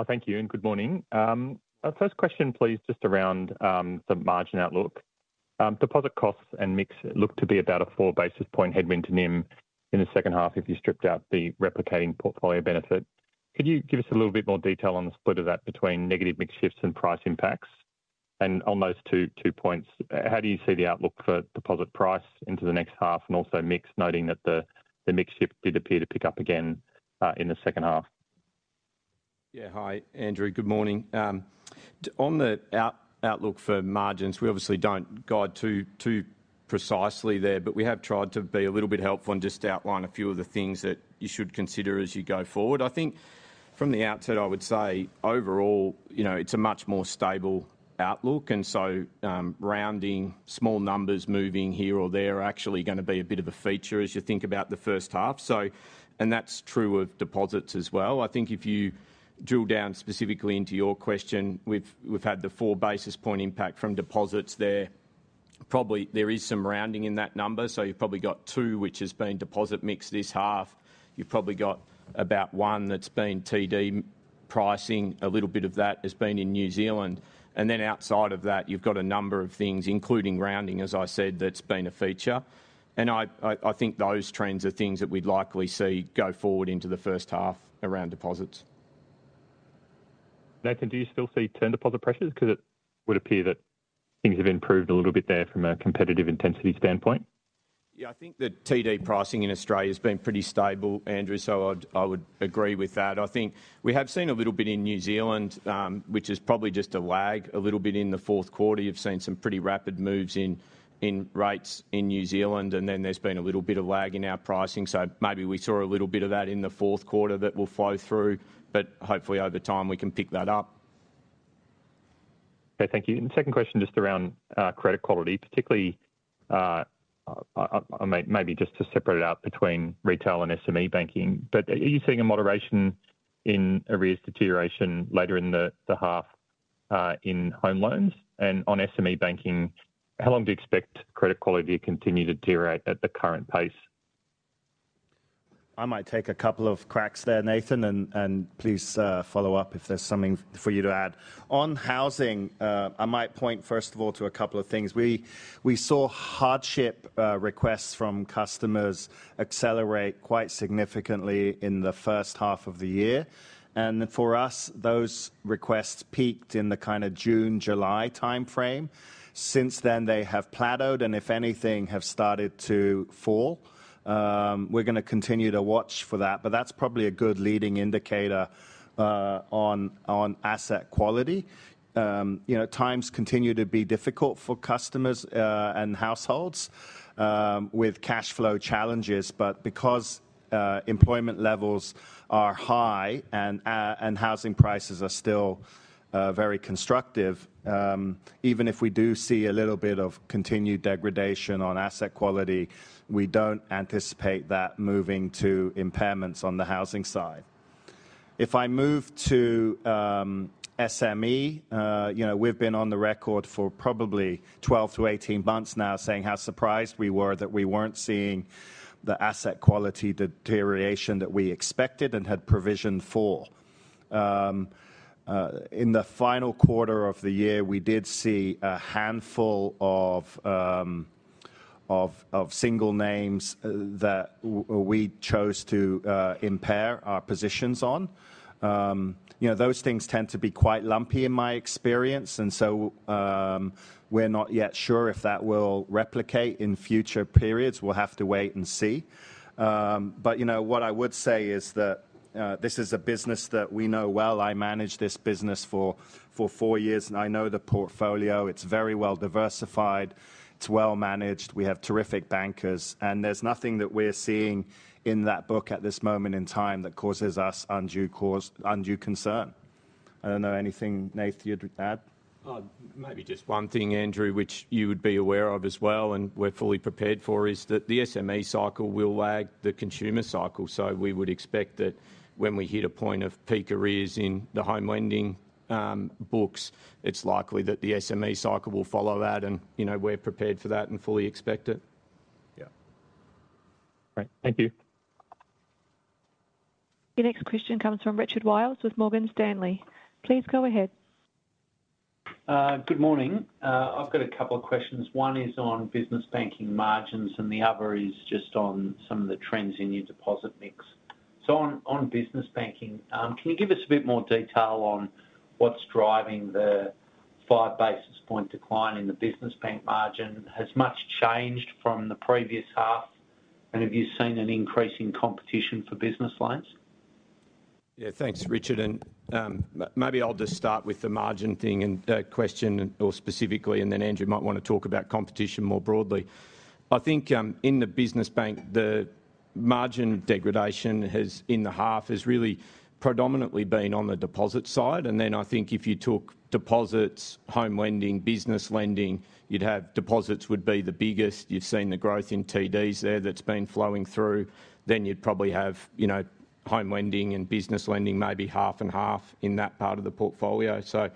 Thank you and good morning. Our first question, please, just around the margin outlook. Deposit costs and mix look to be about a four basis point headwind to NIM in the second half if you stripped out the replicating portfolio benefit. Could you give us a little bit more detail on the split of that between negative mix shifts and price impacts? And on those two points, how do you see the outlook for deposit price into the next half and also mix, noting that the mix shift did appear to pick up again in the second half?
Yeah, hi, Andrew. Good morning. On the outlook for margins, we obviously don't guide too precisely there, but we have tried to be a little bit helpful and just outline a few of the things that you should consider as you go forward. I think from the outset, I would say overall, you know, it's a much more stable outlook. And so rounding small numbers moving here or there are actually going to be a bit of a feature as you think about the first half. So, and that's true of deposits as well. I think if you drill down specifically into your question, we've had the four basis points impact from deposits there. Probably there is some rounding in that number, so you've probably got two, which has been deposit mix this half. You've probably got about one that's been TD pricing. A little bit of that has been in New Zealand. And then outside of that, you've got a number of things, including rounding, as I said, that's been a feature. And I think those trends are things that we'd likely see go forward into the first half around deposits. Nathan, do you still see term deposit pressures? Because it would appear that things have improved a little bit there from a competitive intensity standpoint. Yeah, I think that TD pricing in Australia has been pretty stable, Andrew, so I would agree with that. I think we have seen a little bit in New Zealand, which is probably just a lag. A little bit in the fourth quarter, you've seen some pretty rapid moves in rates in New Zealand, and then there's been a little bit of lag in our pricing. So maybe we saw a little bit of that in the fourth quarter that will flow through, but hopefully over time we can pick that up.
Okay, thank you. And second question just around credit quality, particularly maybe just to separate it out between retail and SME banking. But are you seeing a moderation in arrears deterioration later in the half in home loans? And on SME banking, how long do you expect credit quality to continue to deteriorate at the current pace?
I might take a couple of cracks there, Nathan, and please follow up if there's something for you to add. On housing, I might point first of all to a couple of things. We saw hardship requests from customers accelerate quite significantly in the first half of the year. And for us, those requests peaked in the kind of June, July timeframe. Since then, they have plateaued and if anything, have started to fall. We're going to continue to watch for that, but that's probably a good leading indicator on asset quality. You know, times continue to be difficult for customers and households with cash flow challenges, but because employment levels are high and housing prices are still very constructive, even if we do see a little bit of continued degradation on asset quality, we don't anticipate that moving to impairments on the housing side. If I move to SME, you know, we've been on the record for probably 12-18 months now saying how surprised we were that we weren't seeing the asset quality deterioration that we expected and had provisioned for. In the final quarter of the year, we did see a handful of single names that we chose to impair our positions on. You know, those things tend to be quite lumpy in my experience, and so we're not yet sure if that will replicate in future periods. We'll have to wait and see. But you know, what I would say is that this is a business that we know well. I managed this business for four years and I know the portfolio. It's very well diversified. It's well managed. We have terrific bankers, and there's nothing that we're seeing in that book at this moment in time that causes us undue concern. I don't know anything, Nathan, you'd add.
Maybe just one thing, Andrew, which you would be aware of as well and we're fully prepared for, is that the SME cycle will lag the consumer cycle. So we would expect that when we hit a point of peak arrears in the home lending books, it's likely that the SME cycle will follow that. And you know, we're prepared for that and fully expect it.
Yeah.
Right. Thank you.
The next question comes from Richard Wiles with Morgan Stanley. Please go ahead.
Good morning. I've got a couple of questions. One is on business banking margins and the other is just on some of the trends in your deposit mix. On business banking, can you give us a bit more detail on what's driving the five basis points decline in the business bank margin? Has much changed from the previous half? And have you seen an increase in competition for business loans?
Yeah, thanks, Richard. And maybe I'll just start with the margin thing and the question more specifically, and then Andrew might want to talk about competition more broadly. I think in the business bank, the margin degradation in the half has really predominantly been on the deposit side. And then I think if you took deposits, home lending, business lending, you'd have deposits would be the biggest. You've seen the growth in TDs there that's been flowing through. Then you'd probably have, you know, home lending and business lending maybe half and half in that part of the portfolio. So,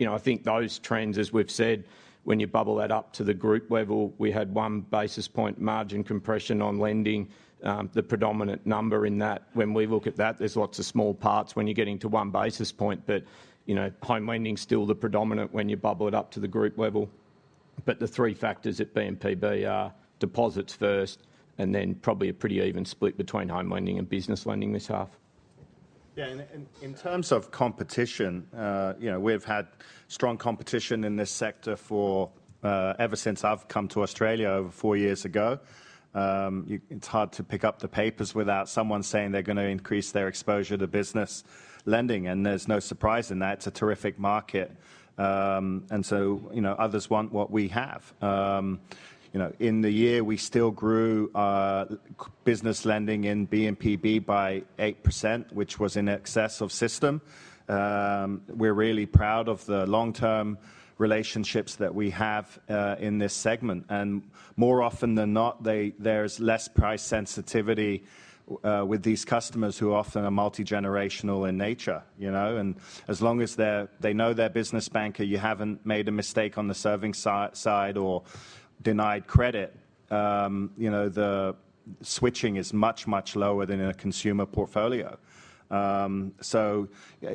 you know, I think those trends, as we've said, when you bubble that up to the group level, we had one basis point margin compression on lending. The predominant number in that, when we look at that, there's lots of small parts when you get into one basis point, but you know, home lending is still the predominant when you bubble it up to the group level. But the three factors at NIM are deposits first and then probably a pretty even split between home lending and business lending this half.
Yeah, and in terms of competition, you know, we've had strong competition in this sector ever since I've come to Australia over four years ago. It's hard to pick up the papers without someone saying they're going to increase their exposure to business lending, and there's no surprise in that. It's a terrific market. And so, you know, others want what we have. You know, in the year, we still grew business lending in BNZ by 8%, which was in excess of system. We're really proud of the long-term relationships that we have in this segment. And more often than not, there's less price sensitivity with these customers who often are multi-generational in nature, you know, and as long as they know their business banker, you haven't made a mistake on the serving side or denied credit. You know, the switching is much, much lower than in a consumer portfolio. So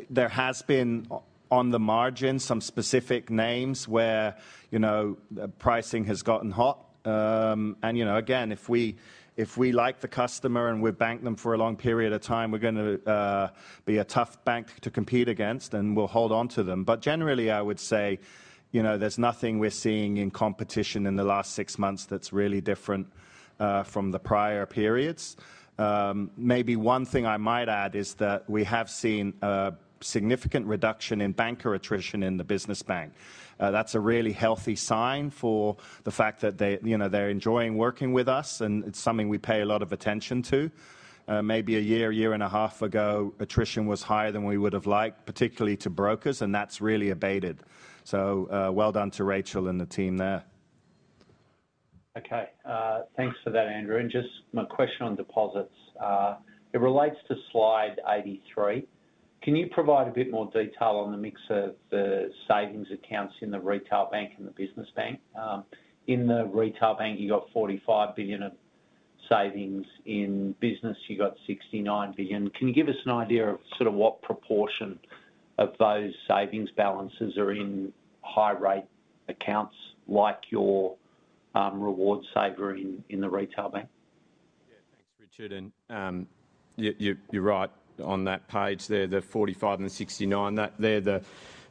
there has been on the margin some specific names where, you know, pricing has gotten hot. And, you know, again, if we like the customer and we bank them for a long period of time, we're going to be a tough bank to compete against and we'll hold on to them. But generally, I would say, you know, there's nothing we're seeing in competition in the last six months that's really different from the prior periods. Maybe one thing I might add is that we have seen a significant reduction in banker attrition in the business bank. That's a really healthy sign for the fact that they, you know, they're enjoying working with us and it's something we pay a lot of attention to. Maybe a year, year and a half ago, attrition was higher than we would have liked, particularly to brokers, and that's really abated. So well done to Rachel and the team there.
Okay, thanks for that, Andrew. And just my question on deposits. It relates to Slide 83. Can you provide a bit more detail on the mix of the savings accounts in the retail bank and the business bank? In the retail bank, you got 45 billion of savings. In business, you got 69 billion. Can you give us an idea of sort of what proportion of those savings balances are in high-rate accounts like your Reward Saver in the retail bank?
Yeah, thanks, Richard. And you're right on that page there, the 45 and the 69. They're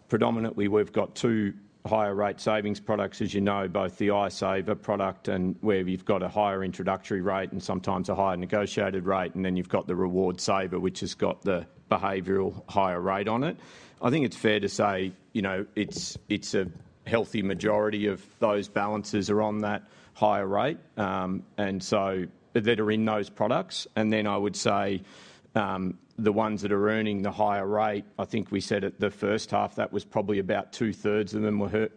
predominantly we've got two higher-rate savings products, as you know, both the iSaver product and where you've got a higher introductory rate and sometimes a higher negotiated rate, and then you've got the Reward Saver, which has got the behavioral higher rate on it. I think it's fair to say, you know, it's a healthy majority of those balances are on that higher rate. And so those are in those products. And then I would say the ones that are earning the higher rate. I think we said at the first half that was probably about two-thirds of them were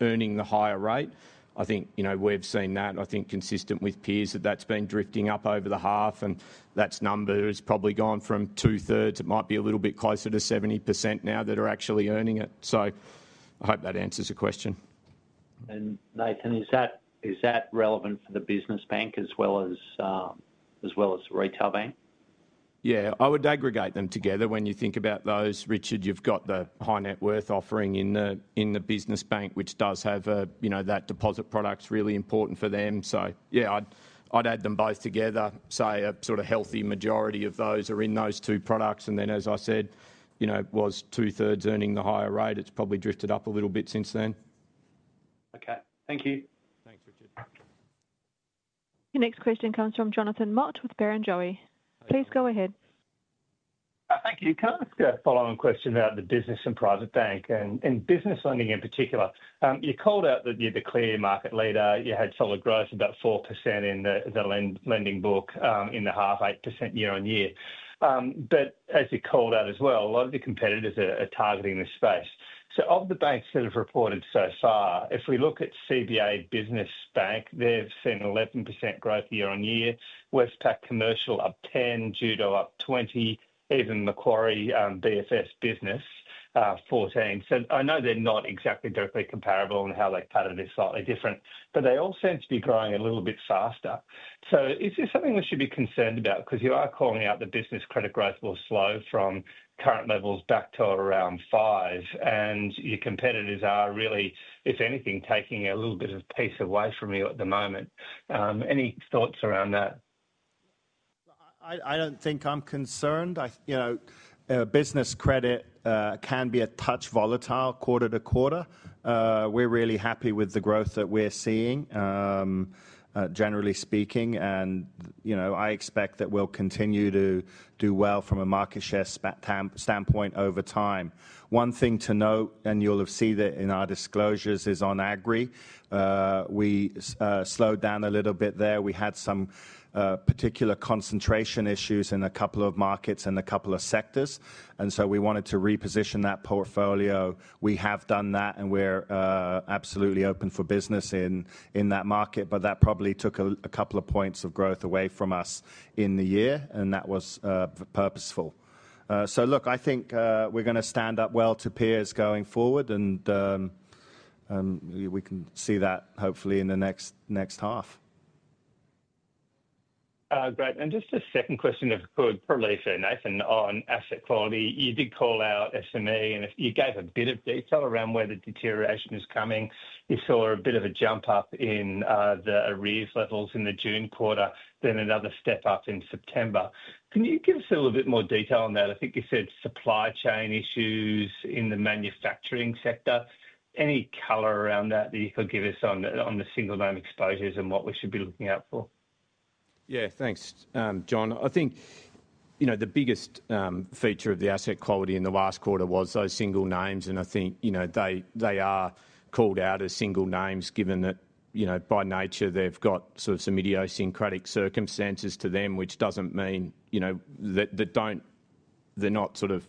earning the higher rate. I think, you know, we've seen that. I think, consistent with peers, that's been drifting up over the half, and that number has probably gone from two-thirds. It might be a little bit closer to 70% now that are actually earning it. So I hope that answers your question.
And Nathan, is that relevant for the business bank as well as the retail bank?
Yeah, I would aggregate them together when you think about those. Richard, you've got the high net worth offering in the business bank, which does have a, you know, that deposit product's really important for them. So yeah, I'd add them both together. So a sort of healthy majority of those are in those two products. And then, as I said, you know, was two-thirds earning the higher rate. It's probably drifted up a little bit since then.
Okay, thank you.
Thanks, Richard.
The next question comes from Jonathan Mott with Barrenjoey. Please go ahead.
Thank you. Can I ask a follow-on question about the business and private bank and business lending in particular? You called out that you're the clear market leader. You had solid growth, about 4% in the lending book in the half, 8% year on year. But as you called out as well, a lot of your competitors are targeting this space. So of the banks that have reported so far, if we look at CBA Business Bank, they've seen 11% growth year on year. Westpac Commercial up 10%, Judo up 20%, even Macquarie BFS Business 14%. So I know they're not exactly directly comparable and how they cut it is slightly different, but they all seem to be growing a little bit faster. So is this something we should be concerned about? Because you are calling out the business credit growth will slow from current levels back to around five, and your competitors are really, if anything, taking a little bit of a piece away from you at the moment. Any thoughts around that?
I don't think I'm concerned. You know, business credit can be a touch volatile quarter to quarter. We're really happy with the growth that we're seeing, generally speaking, and you know, I expect that we'll continue to do well from a market share standpoint over time. One thing to note, and you'll see that in our disclosures, is on agri. We slowed down a little bit there. We had some particular concentration issues in a couple of markets and a couple of sectors, and so we wanted to reposition that portfolio. We have done that, and we're absolutely open for business in that market, but that probably took a couple of points of growth away from us in the year, and that was purposeful. So look, I think we're going to stand up well to peers going forward, and we can see that hopefully in the next half.
Great. And just a second question of probably for Nathan on asset quality. You did call out SME, and you gave a bit of detail around where the deterioration is coming. You saw a bit of a jump up in the arrears levels in the June quarter, then another step up in September. Can you give us a little bit more detail on that? I think you said supply chain issues in the manufacturing sector. Any color around that that you could give us on the single-name exposures and what we should be looking out for?
Yeah, thanks, John. I think, you know, the biggest feature of the asset quality in the last quarter was those single names, and I think, you know, they are called out as single names given that, you know, by nature they've got sort of some idiosyncratic circumstances to them, which doesn't mean, you know, that they're not sort of,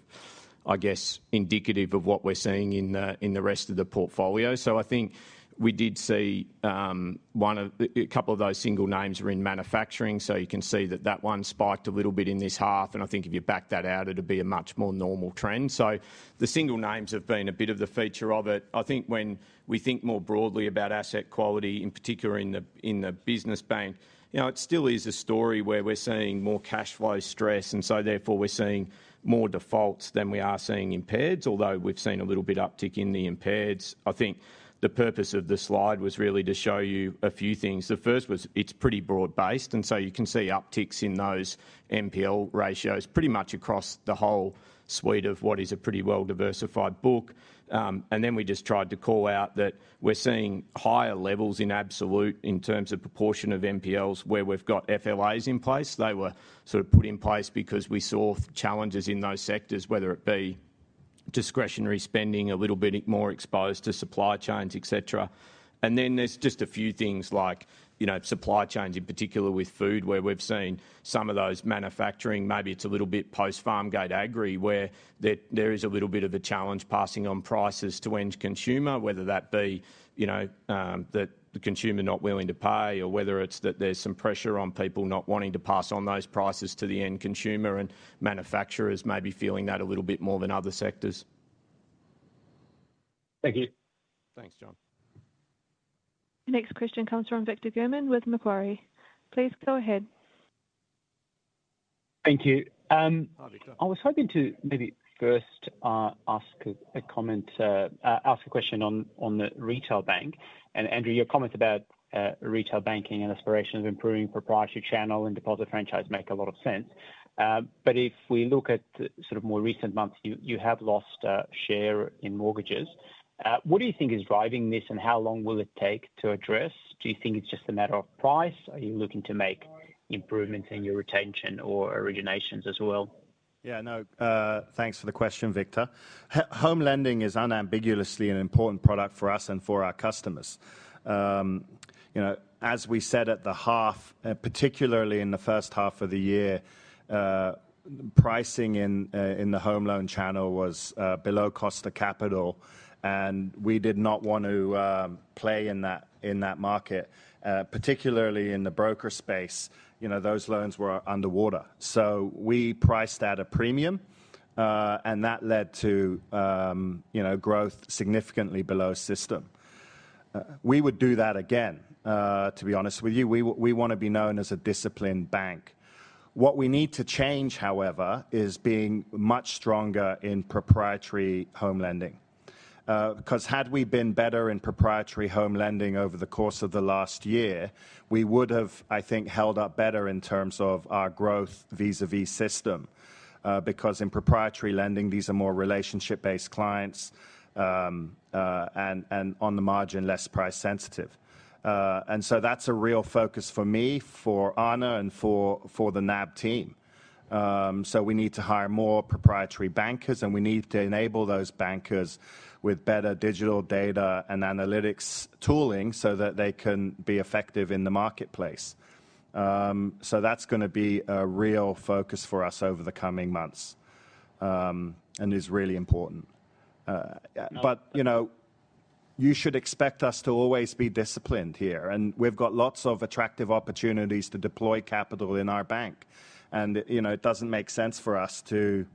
I guess, indicative of what we're seeing in the rest of the portfolio. So I think we did see one of a couple of those single names were in manufacturing, so you can see that that one spiked a little bit in this half, and I think if you back that out, it'd be a much more normal trend. So the single names have been a bit of the feature of it. I think when we think more broadly about asset quality, in particular in the business bank, you know, it still is a story where we're seeing more cash flow stress, and so therefore we're seeing more defaults than we are seeing impaireds, although we've seen a little bit of uptick in the impaireds. I think the purpose of the slide was really to show you a few things. The first was it's pretty broad-based, and so you can see upticks in those NPL ratios pretty much across the whole suite of what is a pretty well-diversified book. And then we just tried to call out that we're seeing higher levels in absolute in terms of proportion of NPLs where we've got FLAs in place. They were sort of put in place because we saw challenges in those sectors, whether it be discretionary spending, a little bit more exposed to supply chains, etc., and then there's just a few things like, you know, supply chains in particular with food where we've seen some of those manufacturing. Maybe it's a little bit post-farm gate agri where there is a little bit of a challenge passing on prices to end consumer, whether that be, you know, that the consumer not willing to pay or whether it's that there's some pressure on people not wanting to pass on those prices to the end consumer, and manufacturers may be feeling that a little bit more than other sectors.
Thank you.
Thanks, John.
The next question comes from Victor German with Macquarie. Please go ahead.
Thank you. I was hoping to maybe first ask a comment, ask a question on the retail bank, and Andrew, your comment about retail banking and aspiration of improving proprietary channel and deposit franchise make a lot of sense, but if we look at sort of more recent months, you have lost share in mortgages. What do you think is driving this and how long will it take to address? Do you think it's just a matter of price? Are you looking to make improvements in your retention or originations as well?
Yeah, no, thanks for the question, Victor. Home lending is unambiguously an important product for us and for our customers. You know, as we said at the half, particularly in the first half of the year, pricing in the home loan channel was below cost of capital, and we did not want to play in that market, particularly in the broker space. You know, those loans were underwater. So we priced out a premium, and that led to, you know, growth significantly below system. We would do that again, to be honest with you. We want to be known as a disciplined bank. What we need to change, however, is being much stronger in proprietary home lending. Because had we been better in proprietary home lending over the course of the last year, we would have, I think, held up better in terms of our growth vis-à-vis system. Because in proprietary lending, these are more relationship-based clients and on the margin, less price sensitive. And so that's a real focus for me, for Ana and for the NAB team. So we need to hire more proprietary bankers, and we need to enable those bankers with better digital data and analytics tooling so that they can be effective in the marketplace. So that's going to be a real focus for us over the coming months and is really important. But, you know, you should expect us to always be disciplined here, and we've got lots of attractive opportunities to deploy capital in our bank. And, you know, it doesn't make sense for us to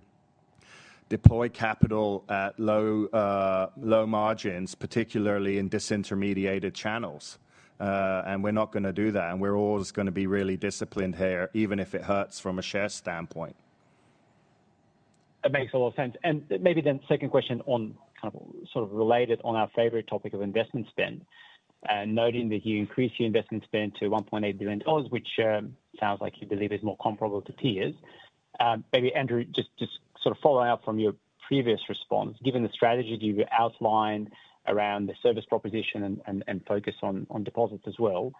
deploy capital at low margins, particularly in disintermediated channels. And we're not going to do that, and we're always going to be really disciplined here, even if it hurts from a share standpoint.
That makes a lot of sense. And maybe then, second question on kind of sort of related on our favorite topic of investment spend, noting that you increased your investment spend to 1.8 billion dollars, which sounds like you believe is more comparable to peers. Maybe, Andrew, just sort of following up from your previous response, given the strategy you've outlined around the service proposition and focus on deposits as well,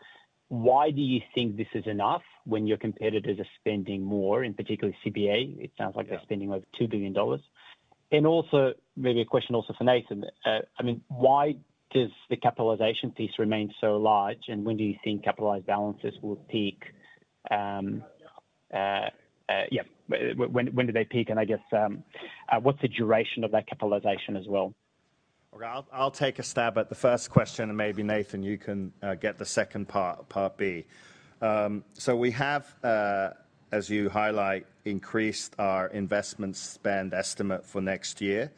why do you think this is enough when your competitors are spending more, in particular CBA? It sounds like they're spending over 2 billion dollars. And also maybe a question also for Nathan, I mean, why does the capitalization piece remain so large and when do you think capitalized balances will peak? Yeah, when do they peak? And I guess what's the duration of that capitalization as well?
I'll take a stab at the first question, and maybe Nathan, you can get the second part, part B. We have, as you highlight, increased our investment spend estimate for next year.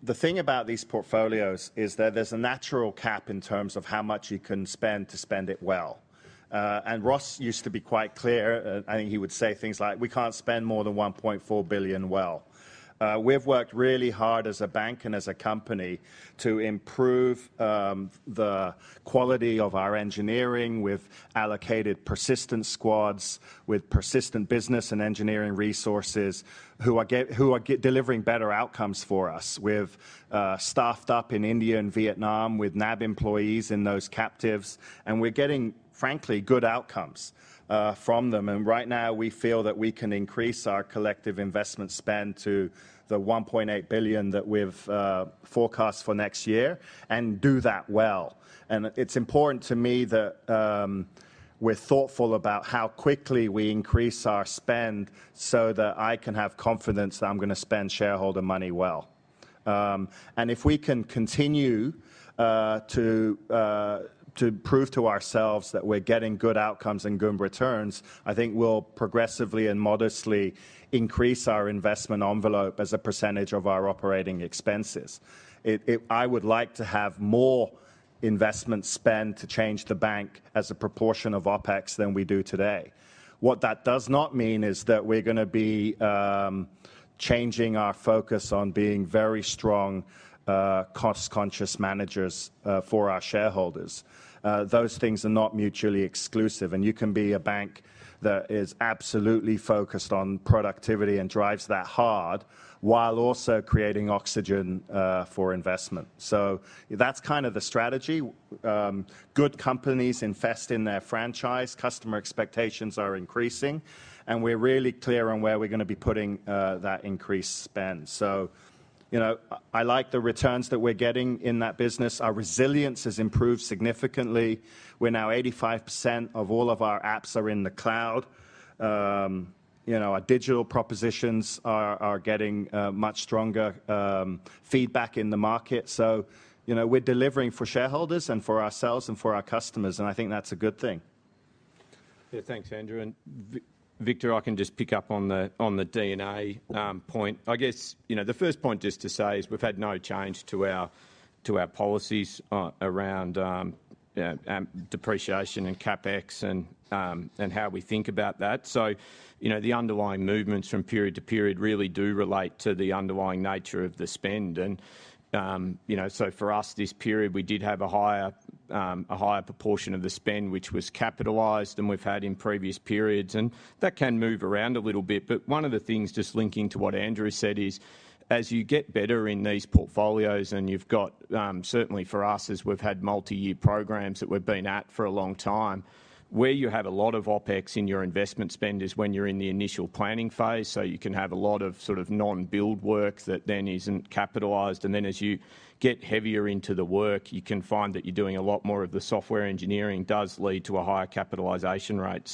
The thing about these portfolios is that there's a natural cap in terms of how much you can spend to spend it well. And Ross used to be quite clear, and I think he would say things like, "We can't spend more than 1.4 billion well." We've worked really hard as a bank and as a company to improve the quality of our engineering with allocated persistent squads, with persistent business and engineering resources who are delivering better outcomes for us. We've staffed up in India and Vietnam with NAB employees in those captives, and we're getting, frankly, good outcomes from them. And right now, we feel that we can increase our collective investment spend to the 1.8 billion that we've forecast for next year and do that well. It's important to me that we're thoughtful about how quickly we increase our spend so that I can have confidence that I'm going to spend shareholder money well. And if we can continue to prove to ourselves that we're getting good outcomes and good returns, I think we'll progressively and modestly increase our investment envelope as a percentage of our operating expenses. I would like to have more investment spend to change the bank as a proportion of OpEx than we do today. What that does not mean is that we're going to be changing our focus on being very strong, cost-conscious managers for our shareholders. Those things are not mutually exclusive, and you can be a bank that is absolutely focused on productivity and drives that hard while also creating oxygen for investment. That's kind of the strategy. Good companies invest in their franchise. Customer expectations are increasing, and we're really clear on where we're going to be putting that increased spend. So, you know, I like the returns that we're getting in that business. Our resilience has improved significantly. We're now 85% of all of our apps are in the cloud. You know, our digital propositions are getting much stronger feedback in the market. So, you know, we're delivering for shareholders and for ourselves and for our customers, and I think that's a good thing.
Yeah, thanks, Andrew. And Victor, I can just pick up on the DNA point. I guess, you know, the first point just to say is we've had no change to our policies around depreciation and CapEx and how we think about that. So, you know, the underlying movements from period to period really do relate to the underlying nature of the spend. You know, so for us this period, we did have a higher proportion of the spend which was capitalized than we've had in previous periods, and that can move around a little bit. One of the things just linking to what Andrew said is as you get better in these portfolios and you've got certainly for us as we've had multi-year programs that we've been at for a long time, where you have a lot of OpEx in your investment spend is when you're in the initial planning phase. You can have a lot of sort of non-build work that then isn't capitalized. Then as you get heavier into the work, you can find that you're doing a lot more of the software engineering does lead to a higher capitalization rate.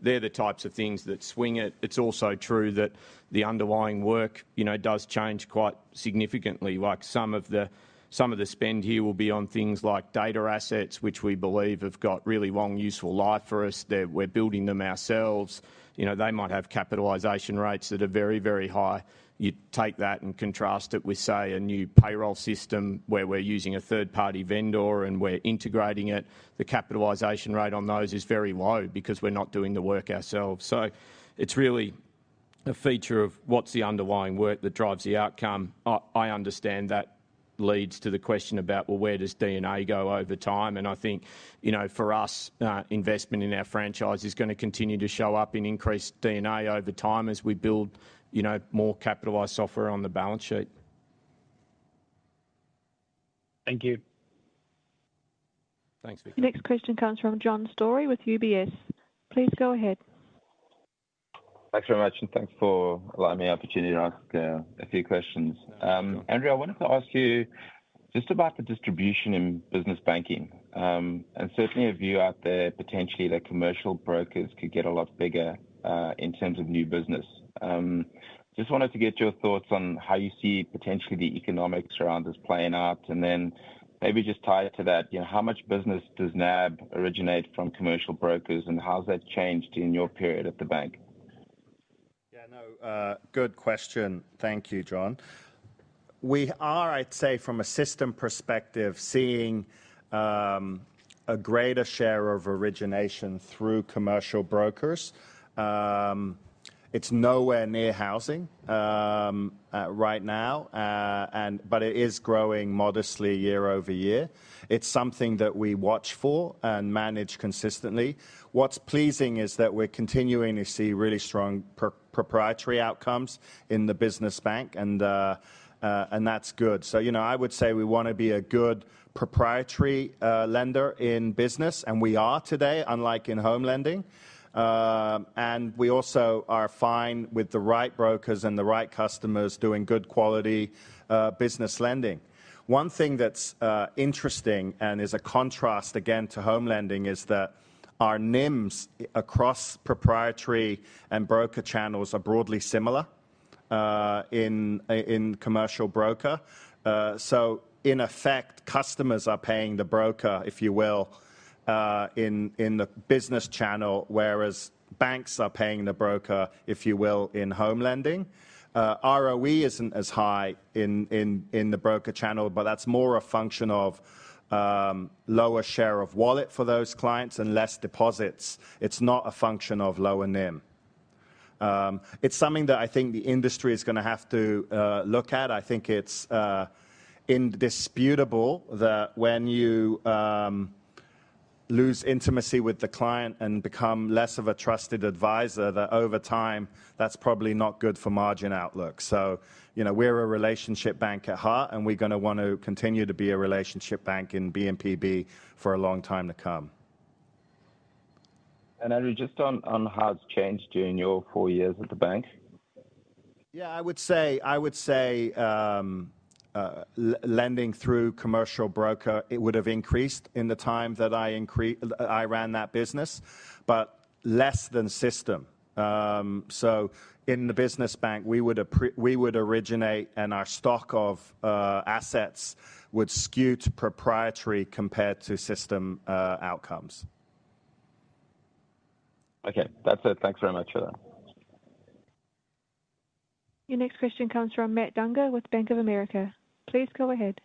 They're the types of things that swing it. It's also true that the underlying work, you know, does change quite significantly. Like some of the spend here will be on things like data assets, which we believe have got really long, useful life for us. We're building them ourselves. You know, they might have capitalization rates that are very, very high. You take that and contrast it with, say, a new payroll system where we're using a third-party vendor and we're integrating it. The capitalization rate on those is very low because we're not doing the work ourselves. So it's really a feature of what's the underlying work that drives the outcome. I understand that leads to the question about, well, where does DNA go over time? I think, you know, for us, investment in our franchise is going to continue to show up in increased D&A over time as we build, you know, more capitalized software on the balance sheet.
Thank you.
Thanks, Victor.
The next question comes from John Storey with UBS. Please go ahead.
Thanks very much, and thanks for allowing me the opportunity to ask a few questions. Andrew, I wanted to ask you just about the distribution in business banking and certainly a view out there potentially that commercial brokers could get a lot bigger in terms of new business. Just wanted to get your thoughts on how you see potentially the economics around this playing out and then maybe just tie it to that, you know, how much business does NAB originate from commercial brokers and how has that changed in your period at the bank?
Yeah, no, good question. Thank you, John. We are, I'd say, from a system perspective, seeing a greater share of origination through commercial brokers. It's nowhere near housing right now, but it is growing modestly year over year. It's something that we watch for and manage consistently. What's pleasing is that we're continuing to see really strong proprietary outcomes in the business bank, and that's good. So, you know, I would say we want to be a good proprietary lender in business, and we are today, unlike in home lending. And we also are fine with the right brokers and the right customers doing good quality business lending. One thing that's interesting and is a contrast again to home lending is that our NIMs across proprietary and broker channels are broadly similar in commercial broker. So, in effect, customers are paying the broker, if you will, in the business channel, whereas banks are paying the broker, if you will, in home lending. ROE isn't as high in the broker channel, but that's more a function of lower share of wallet for those clients and less deposits. It's not a function of lower NIM. It's something that I think the industry is going to have to look at. I think it's indisputable that when you lose intimacy with the client and become less of a trusted advisor, that over time that's probably not good for margin outlook. So, you know, we're a relationship bank at heart, and we're going to want to continue to be a relationship bank in B&PB for a long time to come.
And Andrew, just on how it's changed during your four years at the bank?
Yeah, I would say lending through commercial broker, it would have increased in the time that I ran that business, but less than system. So, in the business bank, we would originate and our stock of assets would skew to proprietary compared to system outcomes.
Okay, that's it. Thanks very much for that.
Your next question comes from Matt Dunger with Bank of America. Please go ahead.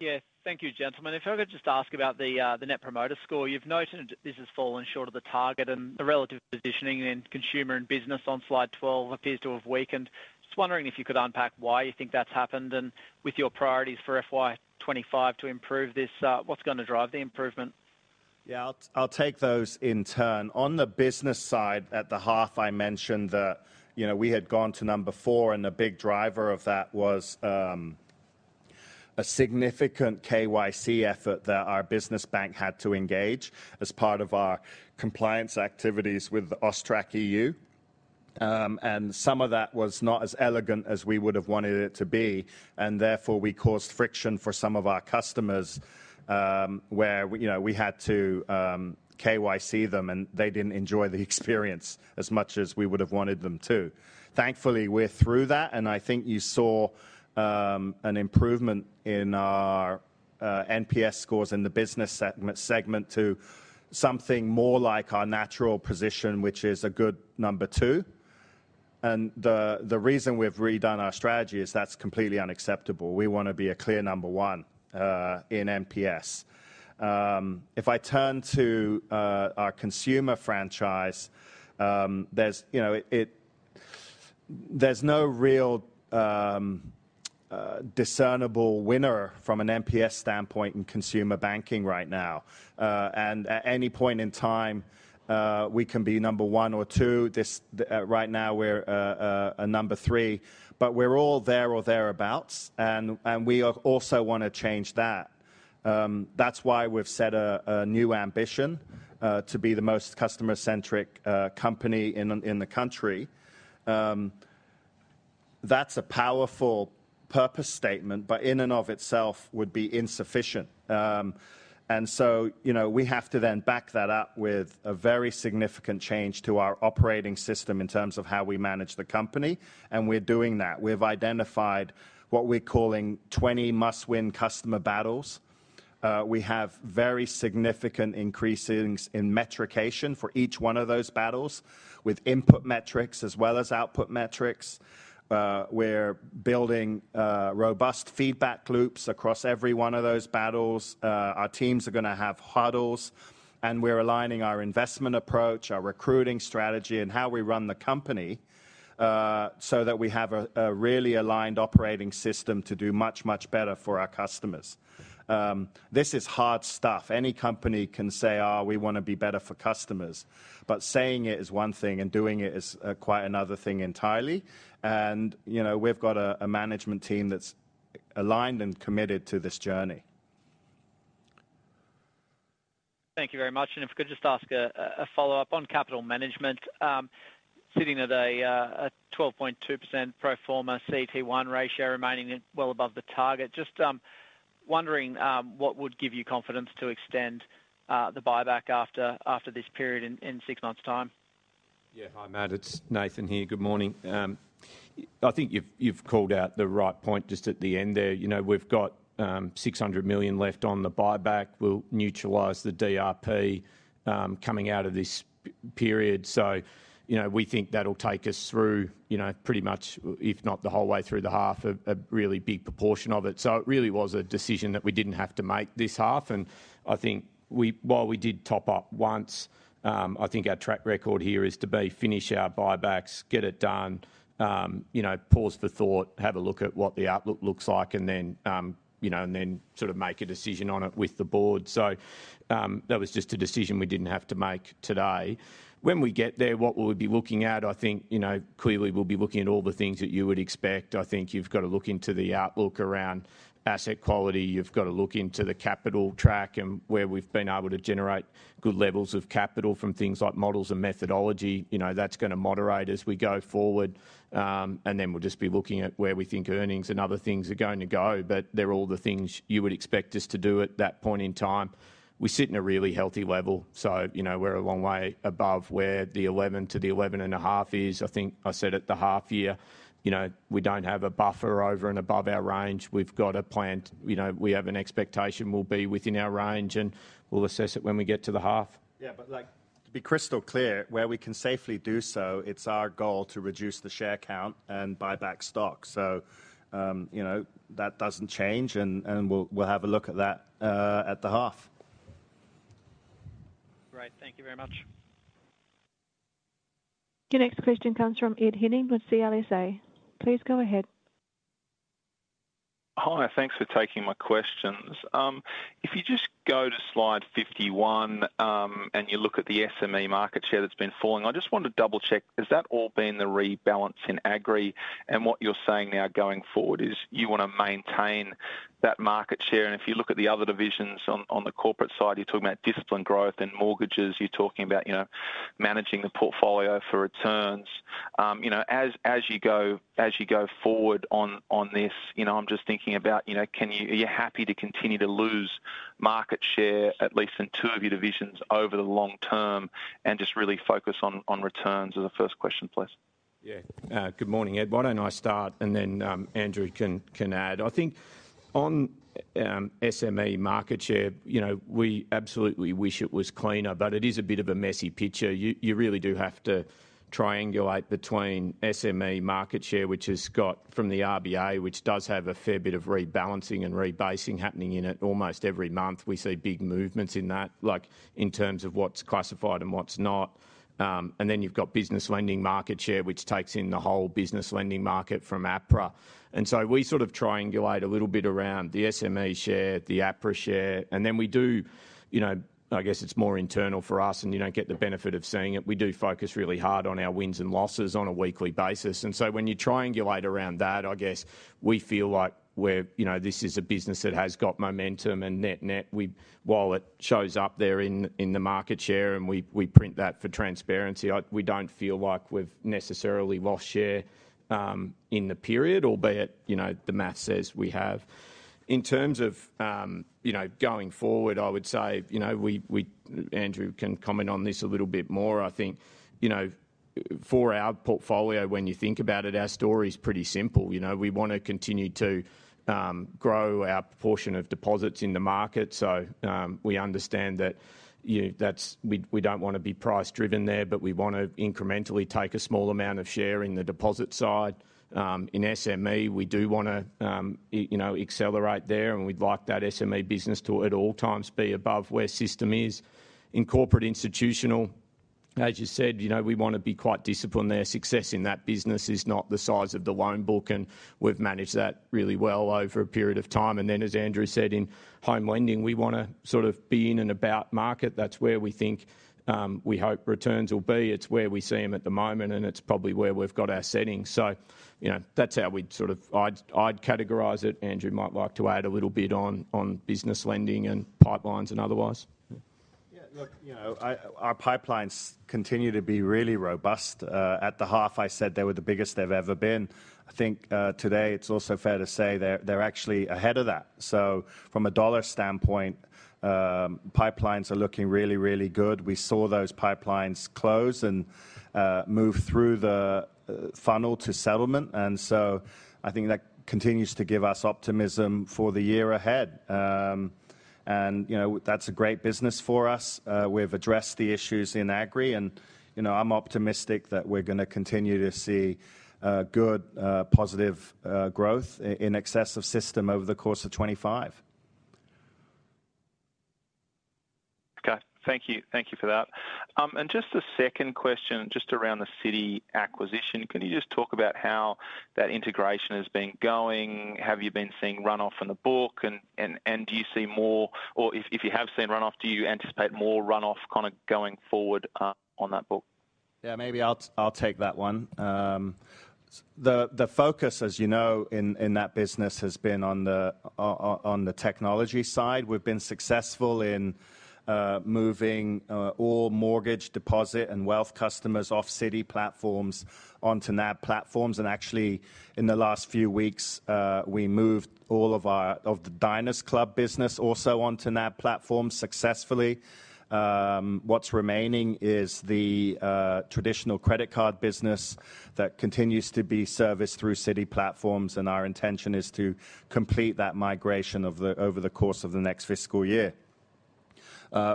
Yes, thank you, gentlemen. If I could just ask about the net promoter score, you've noted this has fallen short of the target, and the relative positioning in consumer and business on slide 12 appears to have weakened. Just wondering if you could unpack why you think that's happened and with your priorities for FY25 to improve this, what's going to drive the improvement?
Yeah, I'll take those in turn. On the business side at the heart, I mentioned that, you know, we had gone to number four, and the big driver of that was a significant KYC effort that our business bank had to engage as part of our compliance activities with the AUSTRAC EU. And some of that was not as elegant as we would have wanted it to be, and therefore we caused friction for some of our customers where, you know, we had to KYC them, and they didn't enjoy the experience as much as we would have wanted them to. Thankfully, we're through that, and I think you saw an improvement in our NPS scores in the business segment to something more like our natural position, which is a good number two. And the reason we've redone our strategy is that's completely unacceptable. We want to be a clear number one in NPS. If I turn to our consumer franchise, there's no real discernible winner from an NPS standpoint in consumer banking right now, and at any point in time, we can be number one or two. Right now, we're a number three, but we're all there or thereabouts, and we also want to change that. That's why we've set a new ambition to be the most customer-centric company in the country. That's a powerful purpose statement, but in and of itself would be insufficient, and so, you know, we have to then back that up with a very significant change to our operating system in terms of how we manage the company, and we're doing that. We've identified what we're calling 20 must-win customer battles. We have very significant increases in metrication for each one of those battles with input metrics as well as output metrics. We're building robust feedback loops across every one of those battles. Our teams are going to have huddles, and we're aligning our investment approach, our recruiting strategy, and how we run the company so that we have a really aligned operating system to do much, much better for our customers. This is hard stuff. Any company can say, "we want to be better for customers," but saying it is one thing and doing it is quite another thing entirely. And, you know, we've got a management team that's aligned and committed to this journey.
Thank you very much. And if I could just ask a follow-up on capital management, sitting at a 12.2% pro forma CET1 ratio remaining well above the target, just wondering what would give you confidence to extend the buyback after this period in six months' time?
Yeah, hi, Matt, it's Nathan here. Good morning. I think you've called out the right point just at the end there. You know, we've got 600 million left on the buyback. We'll neutralize the DRP coming out of this period. So, you know, we think that'll take us through, you know, pretty much, if not the whole way through the half, a really big proportion of it. So it really was a decision that we didn't have to make this half. And I think while we did top up once, I think our track record here is to finish our buybacks, get it done, you know, pause for thought, have a look at what the outlook looks like, and then, you know, and then sort of make a decision on it with the board. So that was just a decision we didn't have to make today. When we get there, what we'll be looking at, I think, you know, clearly we'll be looking at all the things that you would expect. I think you've got to look into the outlook around asset quality. You've got to look into the capital track and where we've been able to generate good levels of capital from things like models and methodology. You know, that's going to moderate as we go forward, and then we'll just be looking at where we think earnings and other things are going to go. But they're all the things you would expect us to do at that point in time. We sit in a really healthy level. So, you know, we're a long way above where the 11%-11.5% is. I think I said at the half year, you know, we don't have a buffer over and above our range. We've got a planned, you know, we have an expectation we'll be within our range, and we'll assess it when we get to the half.
Yeah, but like to be crystal clear, where we can safely do so, it's our goal to reduce the share count and buy back stock. So, you know, that doesn't change, and we'll have a look at that at the half.
Great, thank you very much.
Your next question comes from Ed Henning with CLSA. Please go ahead.
Hi, thanks for taking my questions. If you just go to slide 51 and you look at the SME market share that's been falling, I just want to double-check, has that all been the rebalancing aggregate? What you're saying now going forward is you want to maintain that market share. If you look at the other divisions on the corporate side, you're talking about disciplined growth and mortgages. You're talking about, you know, managing the portfolio for returns. You know, as you go forward on this, you know, I'm just thinking about, you know, can you, are you happy to continue to lose market share at least in two of your divisions over the long term and just really focus on returns? Is the first question, please?
Yeah, good morning, Ed. Why don't I start and then Andrew can add. I think on SME market share, you know, we absolutely wish it was cleaner, but it is a bit of a messy picture. You really do have to triangulate between SME market share, which has got from the RBA, which does have a fair bit of rebalancing and rebasing happening in it almost every month. We see big movements in that, like in terms of what's classified and what's not. And then you've got business lending market share, which takes in the whole business lending market from APRA. And so we sort of triangulate a little bit around the SME share, the APRA share. And then we do, you know, I guess it's more internal for us and you don't get the benefit of seeing it. We do focus really hard on our wins and losses on a weekly basis. And so when you triangulate around that, I guess we feel like we're, you know, this is a business that has got momentum and net net, while it shows up there in the market share and we print that for transparency, we don't feel like we've necessarily lost share in the period, albeit, you know, the math says we have. In terms of, you know, going forward, I would say, you know, Andrew can comment on this a little bit more. I think, you know, for our portfolio, when you think about it, our story is pretty simple. You know, we want to continue to grow our proportion of deposits in the market. So we understand that, you know, that's we don't want to be price-driven there, but we want to incrementally take a small amount of share in the deposit side. In SME, we do want to, you know, accelerate there, and we'd like that SME business to at all times be above where system is in corporate institutional. As you said, you know, we want to be quite disciplined there. Success in that business is not the size of the loan book, and we've managed that really well over a period of time. And then, as Andrew said, in home lending, we want to sort of be in and about market. That's where we think we hope returns will be. It's where we see them at the moment, and it's probably where we've got our setting. So, you know, that's how we'd sort of, I'd categorize it. Andrew might like to add a little bit on business lending and pipelines and otherwise.
Yeah, look, you know, our pipelines continue to be really robust. In the half, I said they were the biggest they've ever been. I think today it's also fair to say they're actually ahead of that. So from a dollar standpoint, pipelines are looking really, really good. We saw those pipelines close and move through the funnel to settlement. And so I think that continues to give us optimism for the year ahead. And, you know, that's a great business for us. We've addressed the issues in aggregate, and, you know, I'm optimistic that we're going to continue to see good positive growth in excess of system over the course of 2025.
Okay, thank you. Thank you for that. And just a second question just around the Citi acquisition. Can you just talk about how that integration has been going? Have you been seeing run-off in the book? And do you see more, or if you have seen run-off, do you anticipate more run-off kind of going forward on that book?
Yeah, maybe I'll take that one. The focus, as you know, in that business has been on the technology side. We've been successful in moving all mortgage, deposit, and wealth customers off Citi platforms onto NAB platforms. And actually, in the last few weeks, we moved all of the Diners Club business also onto NAB platforms successfully. What's remaining is the traditional credit card business that continues to be serviced through Citi platforms, and our intention is to complete that migration over the course of the next fiscal year.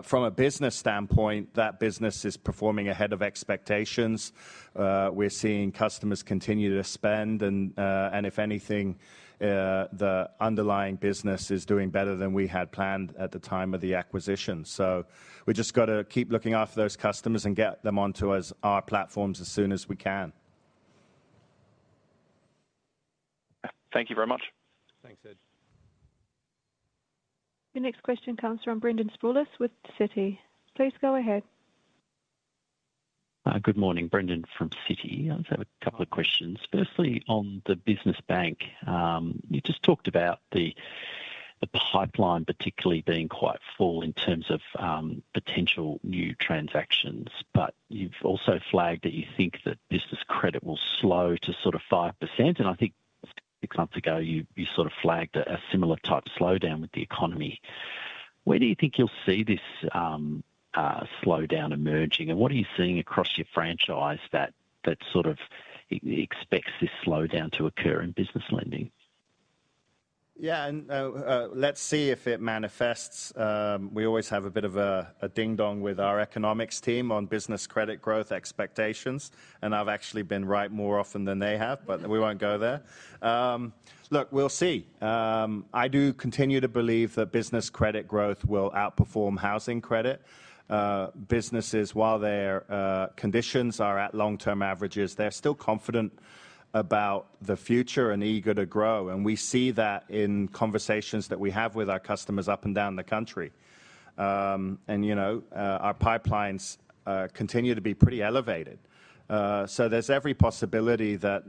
From a business standpoint, that business is performing ahead of expectations. We're seeing customers continue to spend, and if anything, the underlying business is doing better than we had planned at the time of the acquisition. So we've just got to keep looking after those customers and get them onto our platforms as soon as we can.
Thank you very much.
Thanks, Ed.
Your next question comes from Brendan Sproules with Citi. Please go ahead.
Good morning, Brendan from Citi. I have a couple of questions. Firstly, on the business bank, you just talked about the pipeline particularly being quite full in terms of potential new transactions, but you've also flagged that you think that business credit will slow to sort of 5%. And I think six months ago, you sort of flagged a similar type slowdown with the economy. Where do you think you'll see this slowdown emerging, and what are you seeing across your franchise that sort of expects this slowdown to occur in business lending?
Yeah, and let's see if it manifests. We always have a bit of a ding-dong with our economics team on business credit growth expectations, and I've actually been right more often than they have, but we won't go there. Look, we'll see. I do continue to believe that business credit growth will outperform housing credit. Businesses, while their conditions are at long-term averages, they're still confident about the future and eager to grow. And we see that in conversations that we have with our customers up and down the country. And, you know, our pipelines continue to be pretty elevated. So there's every possibility that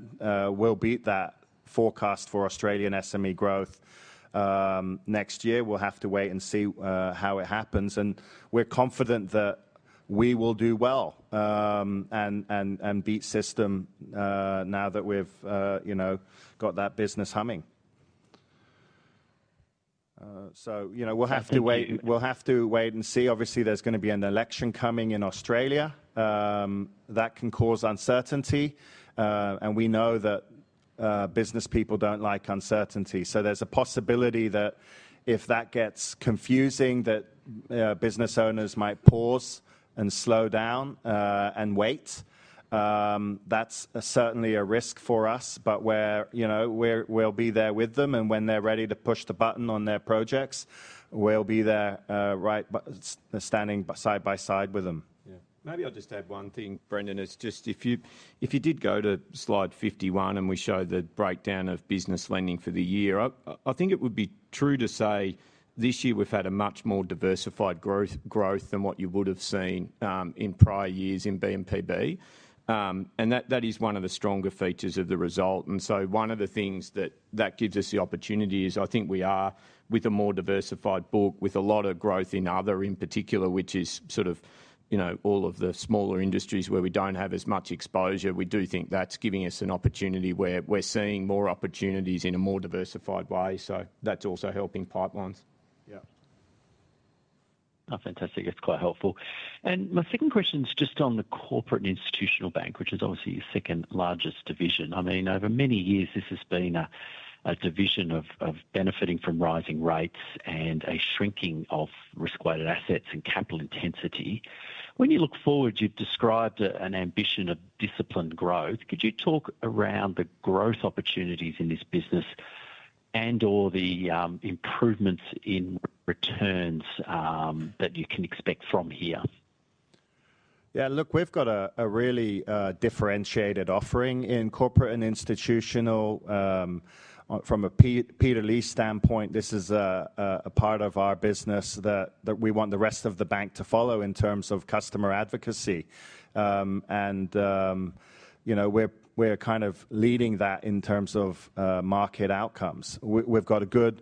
we'll beat that forecast for Australian SME growth next year. We'll have to wait and see how it happens. And we're confident that we will do well and beat the system now that we've, you know, got that business humming. So, you know, we'll have to wait. We'll have to wait and see. Obviously, there's going to be an election coming in Australia that can cause uncertainty. And we know that business people don't like uncertainty. So there's a possibility that if that gets confusing, that business owners might pause and slow down and wait. That's certainly a risk for us, but we're, you know, we'll be there with them. And when they're ready to push the button on their projects, we'll be there right standing side by side with them.
Yeah, maybe I'll just add one thing, Brendan. It's just if you did go to slide 51 and we show the breakdown of business lending for the year, I think it would be true to say this year we've had a much more diversified growth than what you would have seen in prior years in BNZ. And that is one of the stronger features of the result. And so one of the things that gives us the opportunity is, I think, we are with a more diversified book with a lot of growth in other, in particular, which is sort of, you know, all of the smaller industries where we don't have as much exposure. We do think that's giving us an opportunity where we're seeing more opportunities in a more diversified way. So that's also helping pipelines.
Yeah. Fantastic. It's quite helpful. And my second question is just on the corporate and institutional bank, which is obviously your second largest division. I mean, over many years, this has been a division benefiting from rising rates and a shrinking of risk-weighted assets and capital intensity. When you look forward, you've described an ambition of disciplined growth. Could you talk around the growth opportunities in this business and/or the improvements in returns that you can expect from here?
Yeah, look, we've got a really differentiated offering in corporate and institutional. From a peer-led standpoint, this is a part of our business that we want the rest of the bank to follow in terms of customer advocacy, and you know, we're kind of leading that in terms of market outcomes. We've got a good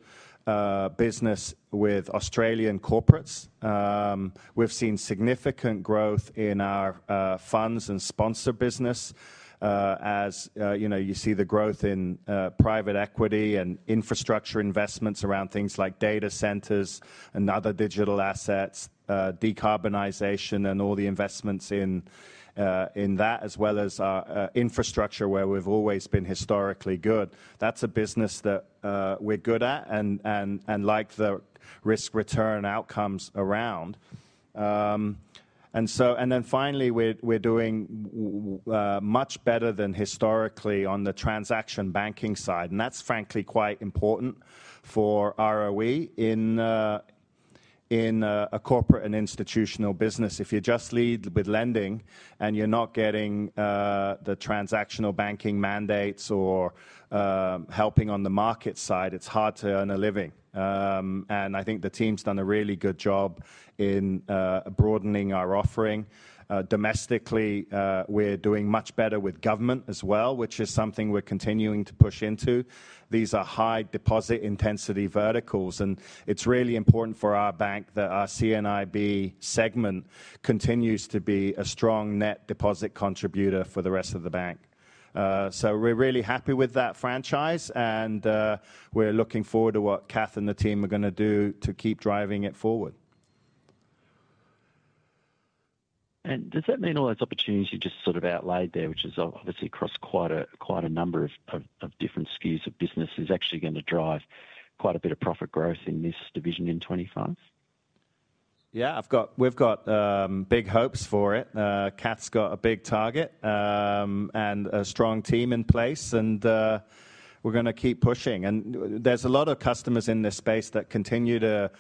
business with Australian corporates. We've seen significant growth in our funds and sponsor business. As you know, you see the growth in private equity and infrastructure investments around things like data centers and other digital assets, decarbonization and all the investments in that, as well as our infrastructure where we've always been historically good. That's a business that we're good at and like the risk-return outcomes around. And so, and then finally, we're doing much better than historically on the transaction banking side. And that's frankly quite important for ROE in a corporate and institutional business. If you just lead with lending and you're not getting the transactional banking mandates or helping on the market side, it's hard to earn a living. And I think the team's done a really good job in broadening our offering. Domestically, we're doing much better with government as well, which is something we're continuing to push into. These are high deposit intensity verticals, and it's really important for our bank that our C&IB segment continues to be a strong net deposit contributor for the rest of the bank. So we're really happy with that franchise, and we're looking forward to what Cath and the team are going to do to keep driving it forward.
Does that mean all those opportunities you just sort of outlaid there, which is obviously across quite a number of different skews of business, is actually going to drive quite a bit of profit growth in this division in 2025?
Yeah, I've got, we've got big hopes for it. Cath's got a big target and a strong team in place, and we're going to keep pushing. And there's a lot of customers in this space that continue to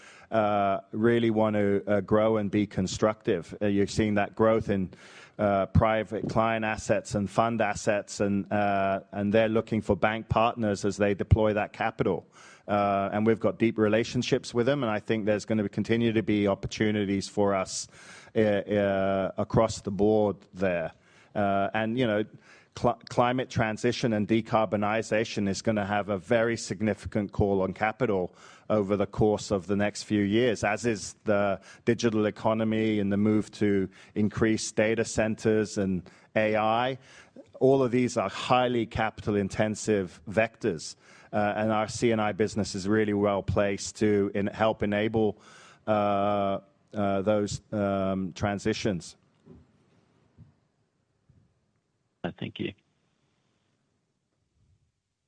really want to grow and be constructive. You've seen that growth in private client assets and fund assets, and they're looking for bank partners as they deploy that capital. And we've got deep relationships with them, and I think there's going to continue to be opportunities for us across the board there. You know, climate transition and decarbonization is going to have a very significant call on capital over the course of the next few years, as is the digital economy and the move to increase data centers and AI. All of these are highly capital-intensive vectors, and our CNI business is really well placed to help enable those transitions.
Thank you.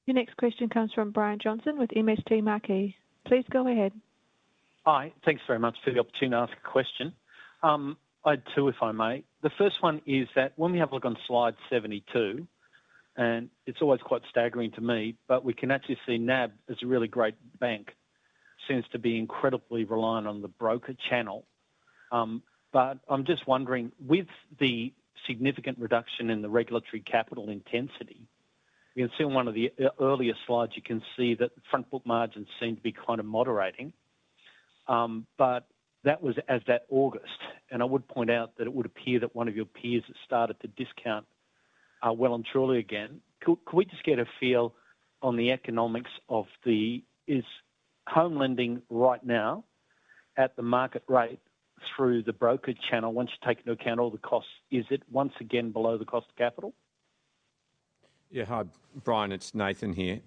Your next question comes from Brian Johnson with MST Marquee. Please go ahead.
Hi, thanks very much for the opportunity to ask a question. I had two, if I may. The first one is that when we have a look on slide 72, and it's always quite staggering to me, but we can actually see NAB as a really great bank. Seems to be incredibly reliant on the broker channel. But I'm just wondering, with the significant reduction in the regulatory capital intensity, you can see on one of the earlier slides, you can see that the front book margins seem to be kind of moderating. But that was as that August, and I would point out that it would appear that one of your peers has started to discount well and truly again. Could we just get a feel on the economics of the home lending right now at the market rate through the broker channel? Once you take into account all the costs, is it once again below the cost of capital?
Yeah, hi, Brian, it's Nathan here.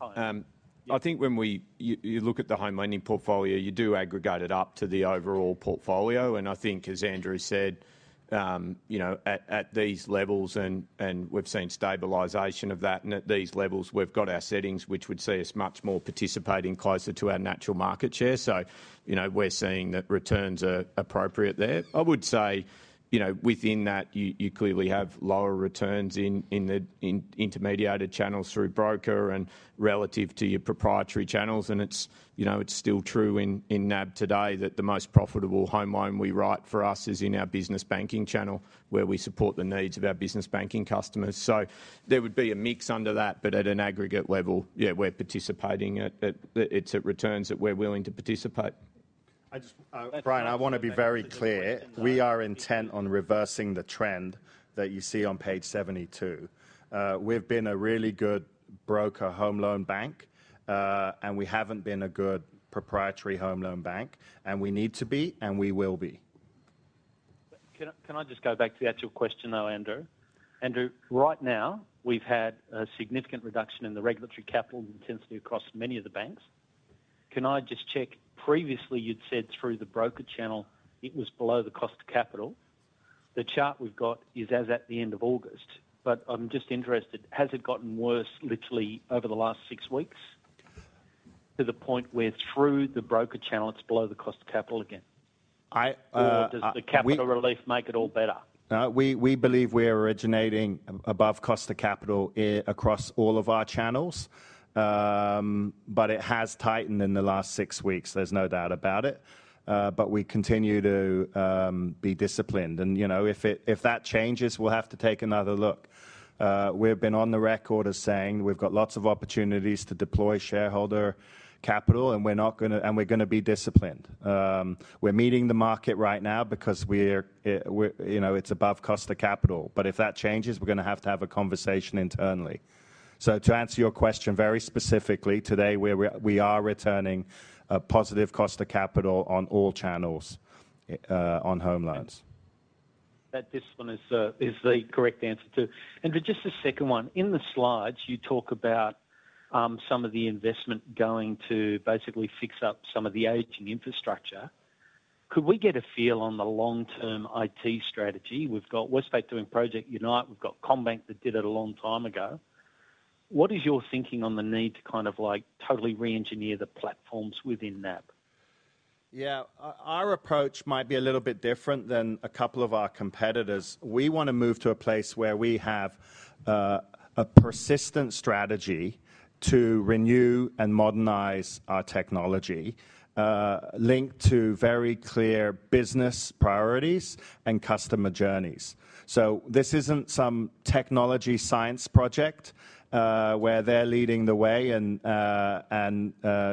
I think when you look at the home lending portfolio, you do aggregate it up to the overall portfolio. And I think, as Andrew said, you know, at these levels, and we've seen stabilization of that. At these levels, we've got our settings, which would see us much more participating closer to our natural market share. So, you know, we're seeing that returns are appropriate there. I would say, you know, within that, you clearly have lower returns in the intermediated channels through broker and relative to your proprietary channels. And it's, you know, it's still true in NAB today that the most profitable home loan we write for us is in our business banking channel where we support the needs of our business banking customers. So there would be a mix under that, but at an aggregate level, yeah, we're participating at its returns that we're willing to participate.
I just, Brian, I want to be very clear. We are intent on reversing the trend that you see on page 72. We've been a really good broker home loan bank, and we haven't been a good proprietary home loan bank, and we need to be, and we will be.
Can I just go back to the actual question though, Andrew? Andrew, right now, we've had a significant reduction in the regulatory capital intensity across many of the banks. Can I just check? Previously, you'd said through the broker channel, it was below the cost of capital. The chart we've got is as at the end of August, but I'm just interested: has it gotten worse literally over the last six weeks to the point where through the broker channel, it's below the cost of capital again? Or does the capital relief make it all better?
We believe we're originating above cost of capital across all of our channels, but it has tightened in the last six weeks. There's no doubt about it. But we continue to be disciplined. And, you know, if that changes, we'll have to take another look. We've been on the record as saying we've got lots of opportunities to deploy shareholder capital, and we're not going to, and we're going to be disciplined. We're meeting the market right now because we're, you know, it's above cost of capital. But if that changes, we're going to have to have a conversation internally. So to answer your question very specifically, today we are returning a positive cost of capital on all channels on home loans.
That discipline is the correct answer too. Andrew, just a second one. In the slides, you talk about some of the investment going to basically fix up some of the aging infrastructure. Could we get a feel on the long-term IT strategy? We've got, we're supposed to be doing Project Unite. We've got CommBank that did it a long time ago. What is your thinking on the need to kind of like totally re-engineer the platforms within NAB?
Yeah, our approach might be a little bit different than a couple of our competitors. We want to move to a place where we have a persistent strategy to renew and modernize our technology linked to very clear business priorities and customer journeys. So this isn't some technology science project where they're leading the way and,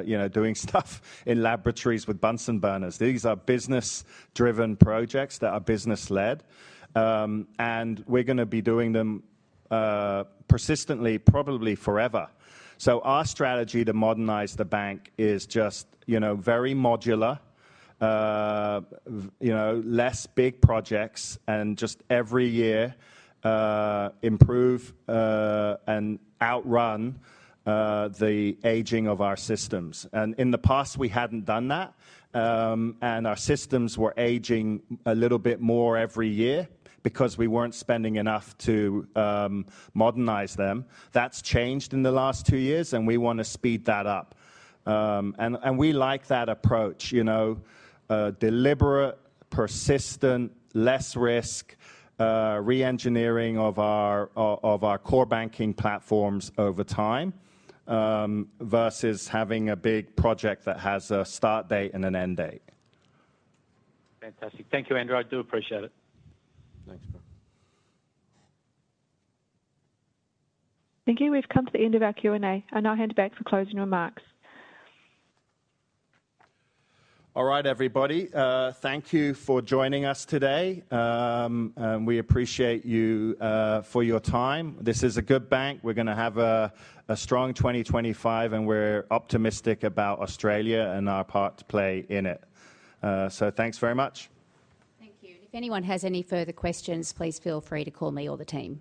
you know, doing stuff in laboratories with Bunsen burners. These are business-driven projects that are business-led, and we're going to be doing them persistently, probably forever. So our strategy to modernize the bank is just, you know, very modular, you know, less big projects and just every year improve and outrun the aging of our systems. In the past, we hadn't done that. Our systems were aging a little bit more every year because we weren't spending enough to modernize them. That's changed in the last two years, and we want to speed that up. We like that approach, you know, deliberate, persistent, less risk, re-engineering of our core banking platforms over time versus having a big project that has a start date and an end date.
Fantastic. Thank you, Andrew. I do appreciate it.
Thanks, Brian.
Thank you. We've come to the end of our Q&A. I'll now hand back for closing remarks.
All right, everybody. Thank you for joining us today. We appreciate you for your time. This is a good bank. We're going to have a strong 2025, and we're optimistic about Australia and our part to play in it. Thanks very much.
Thank you. If anyone has any further questions, please feel free to call me or the team.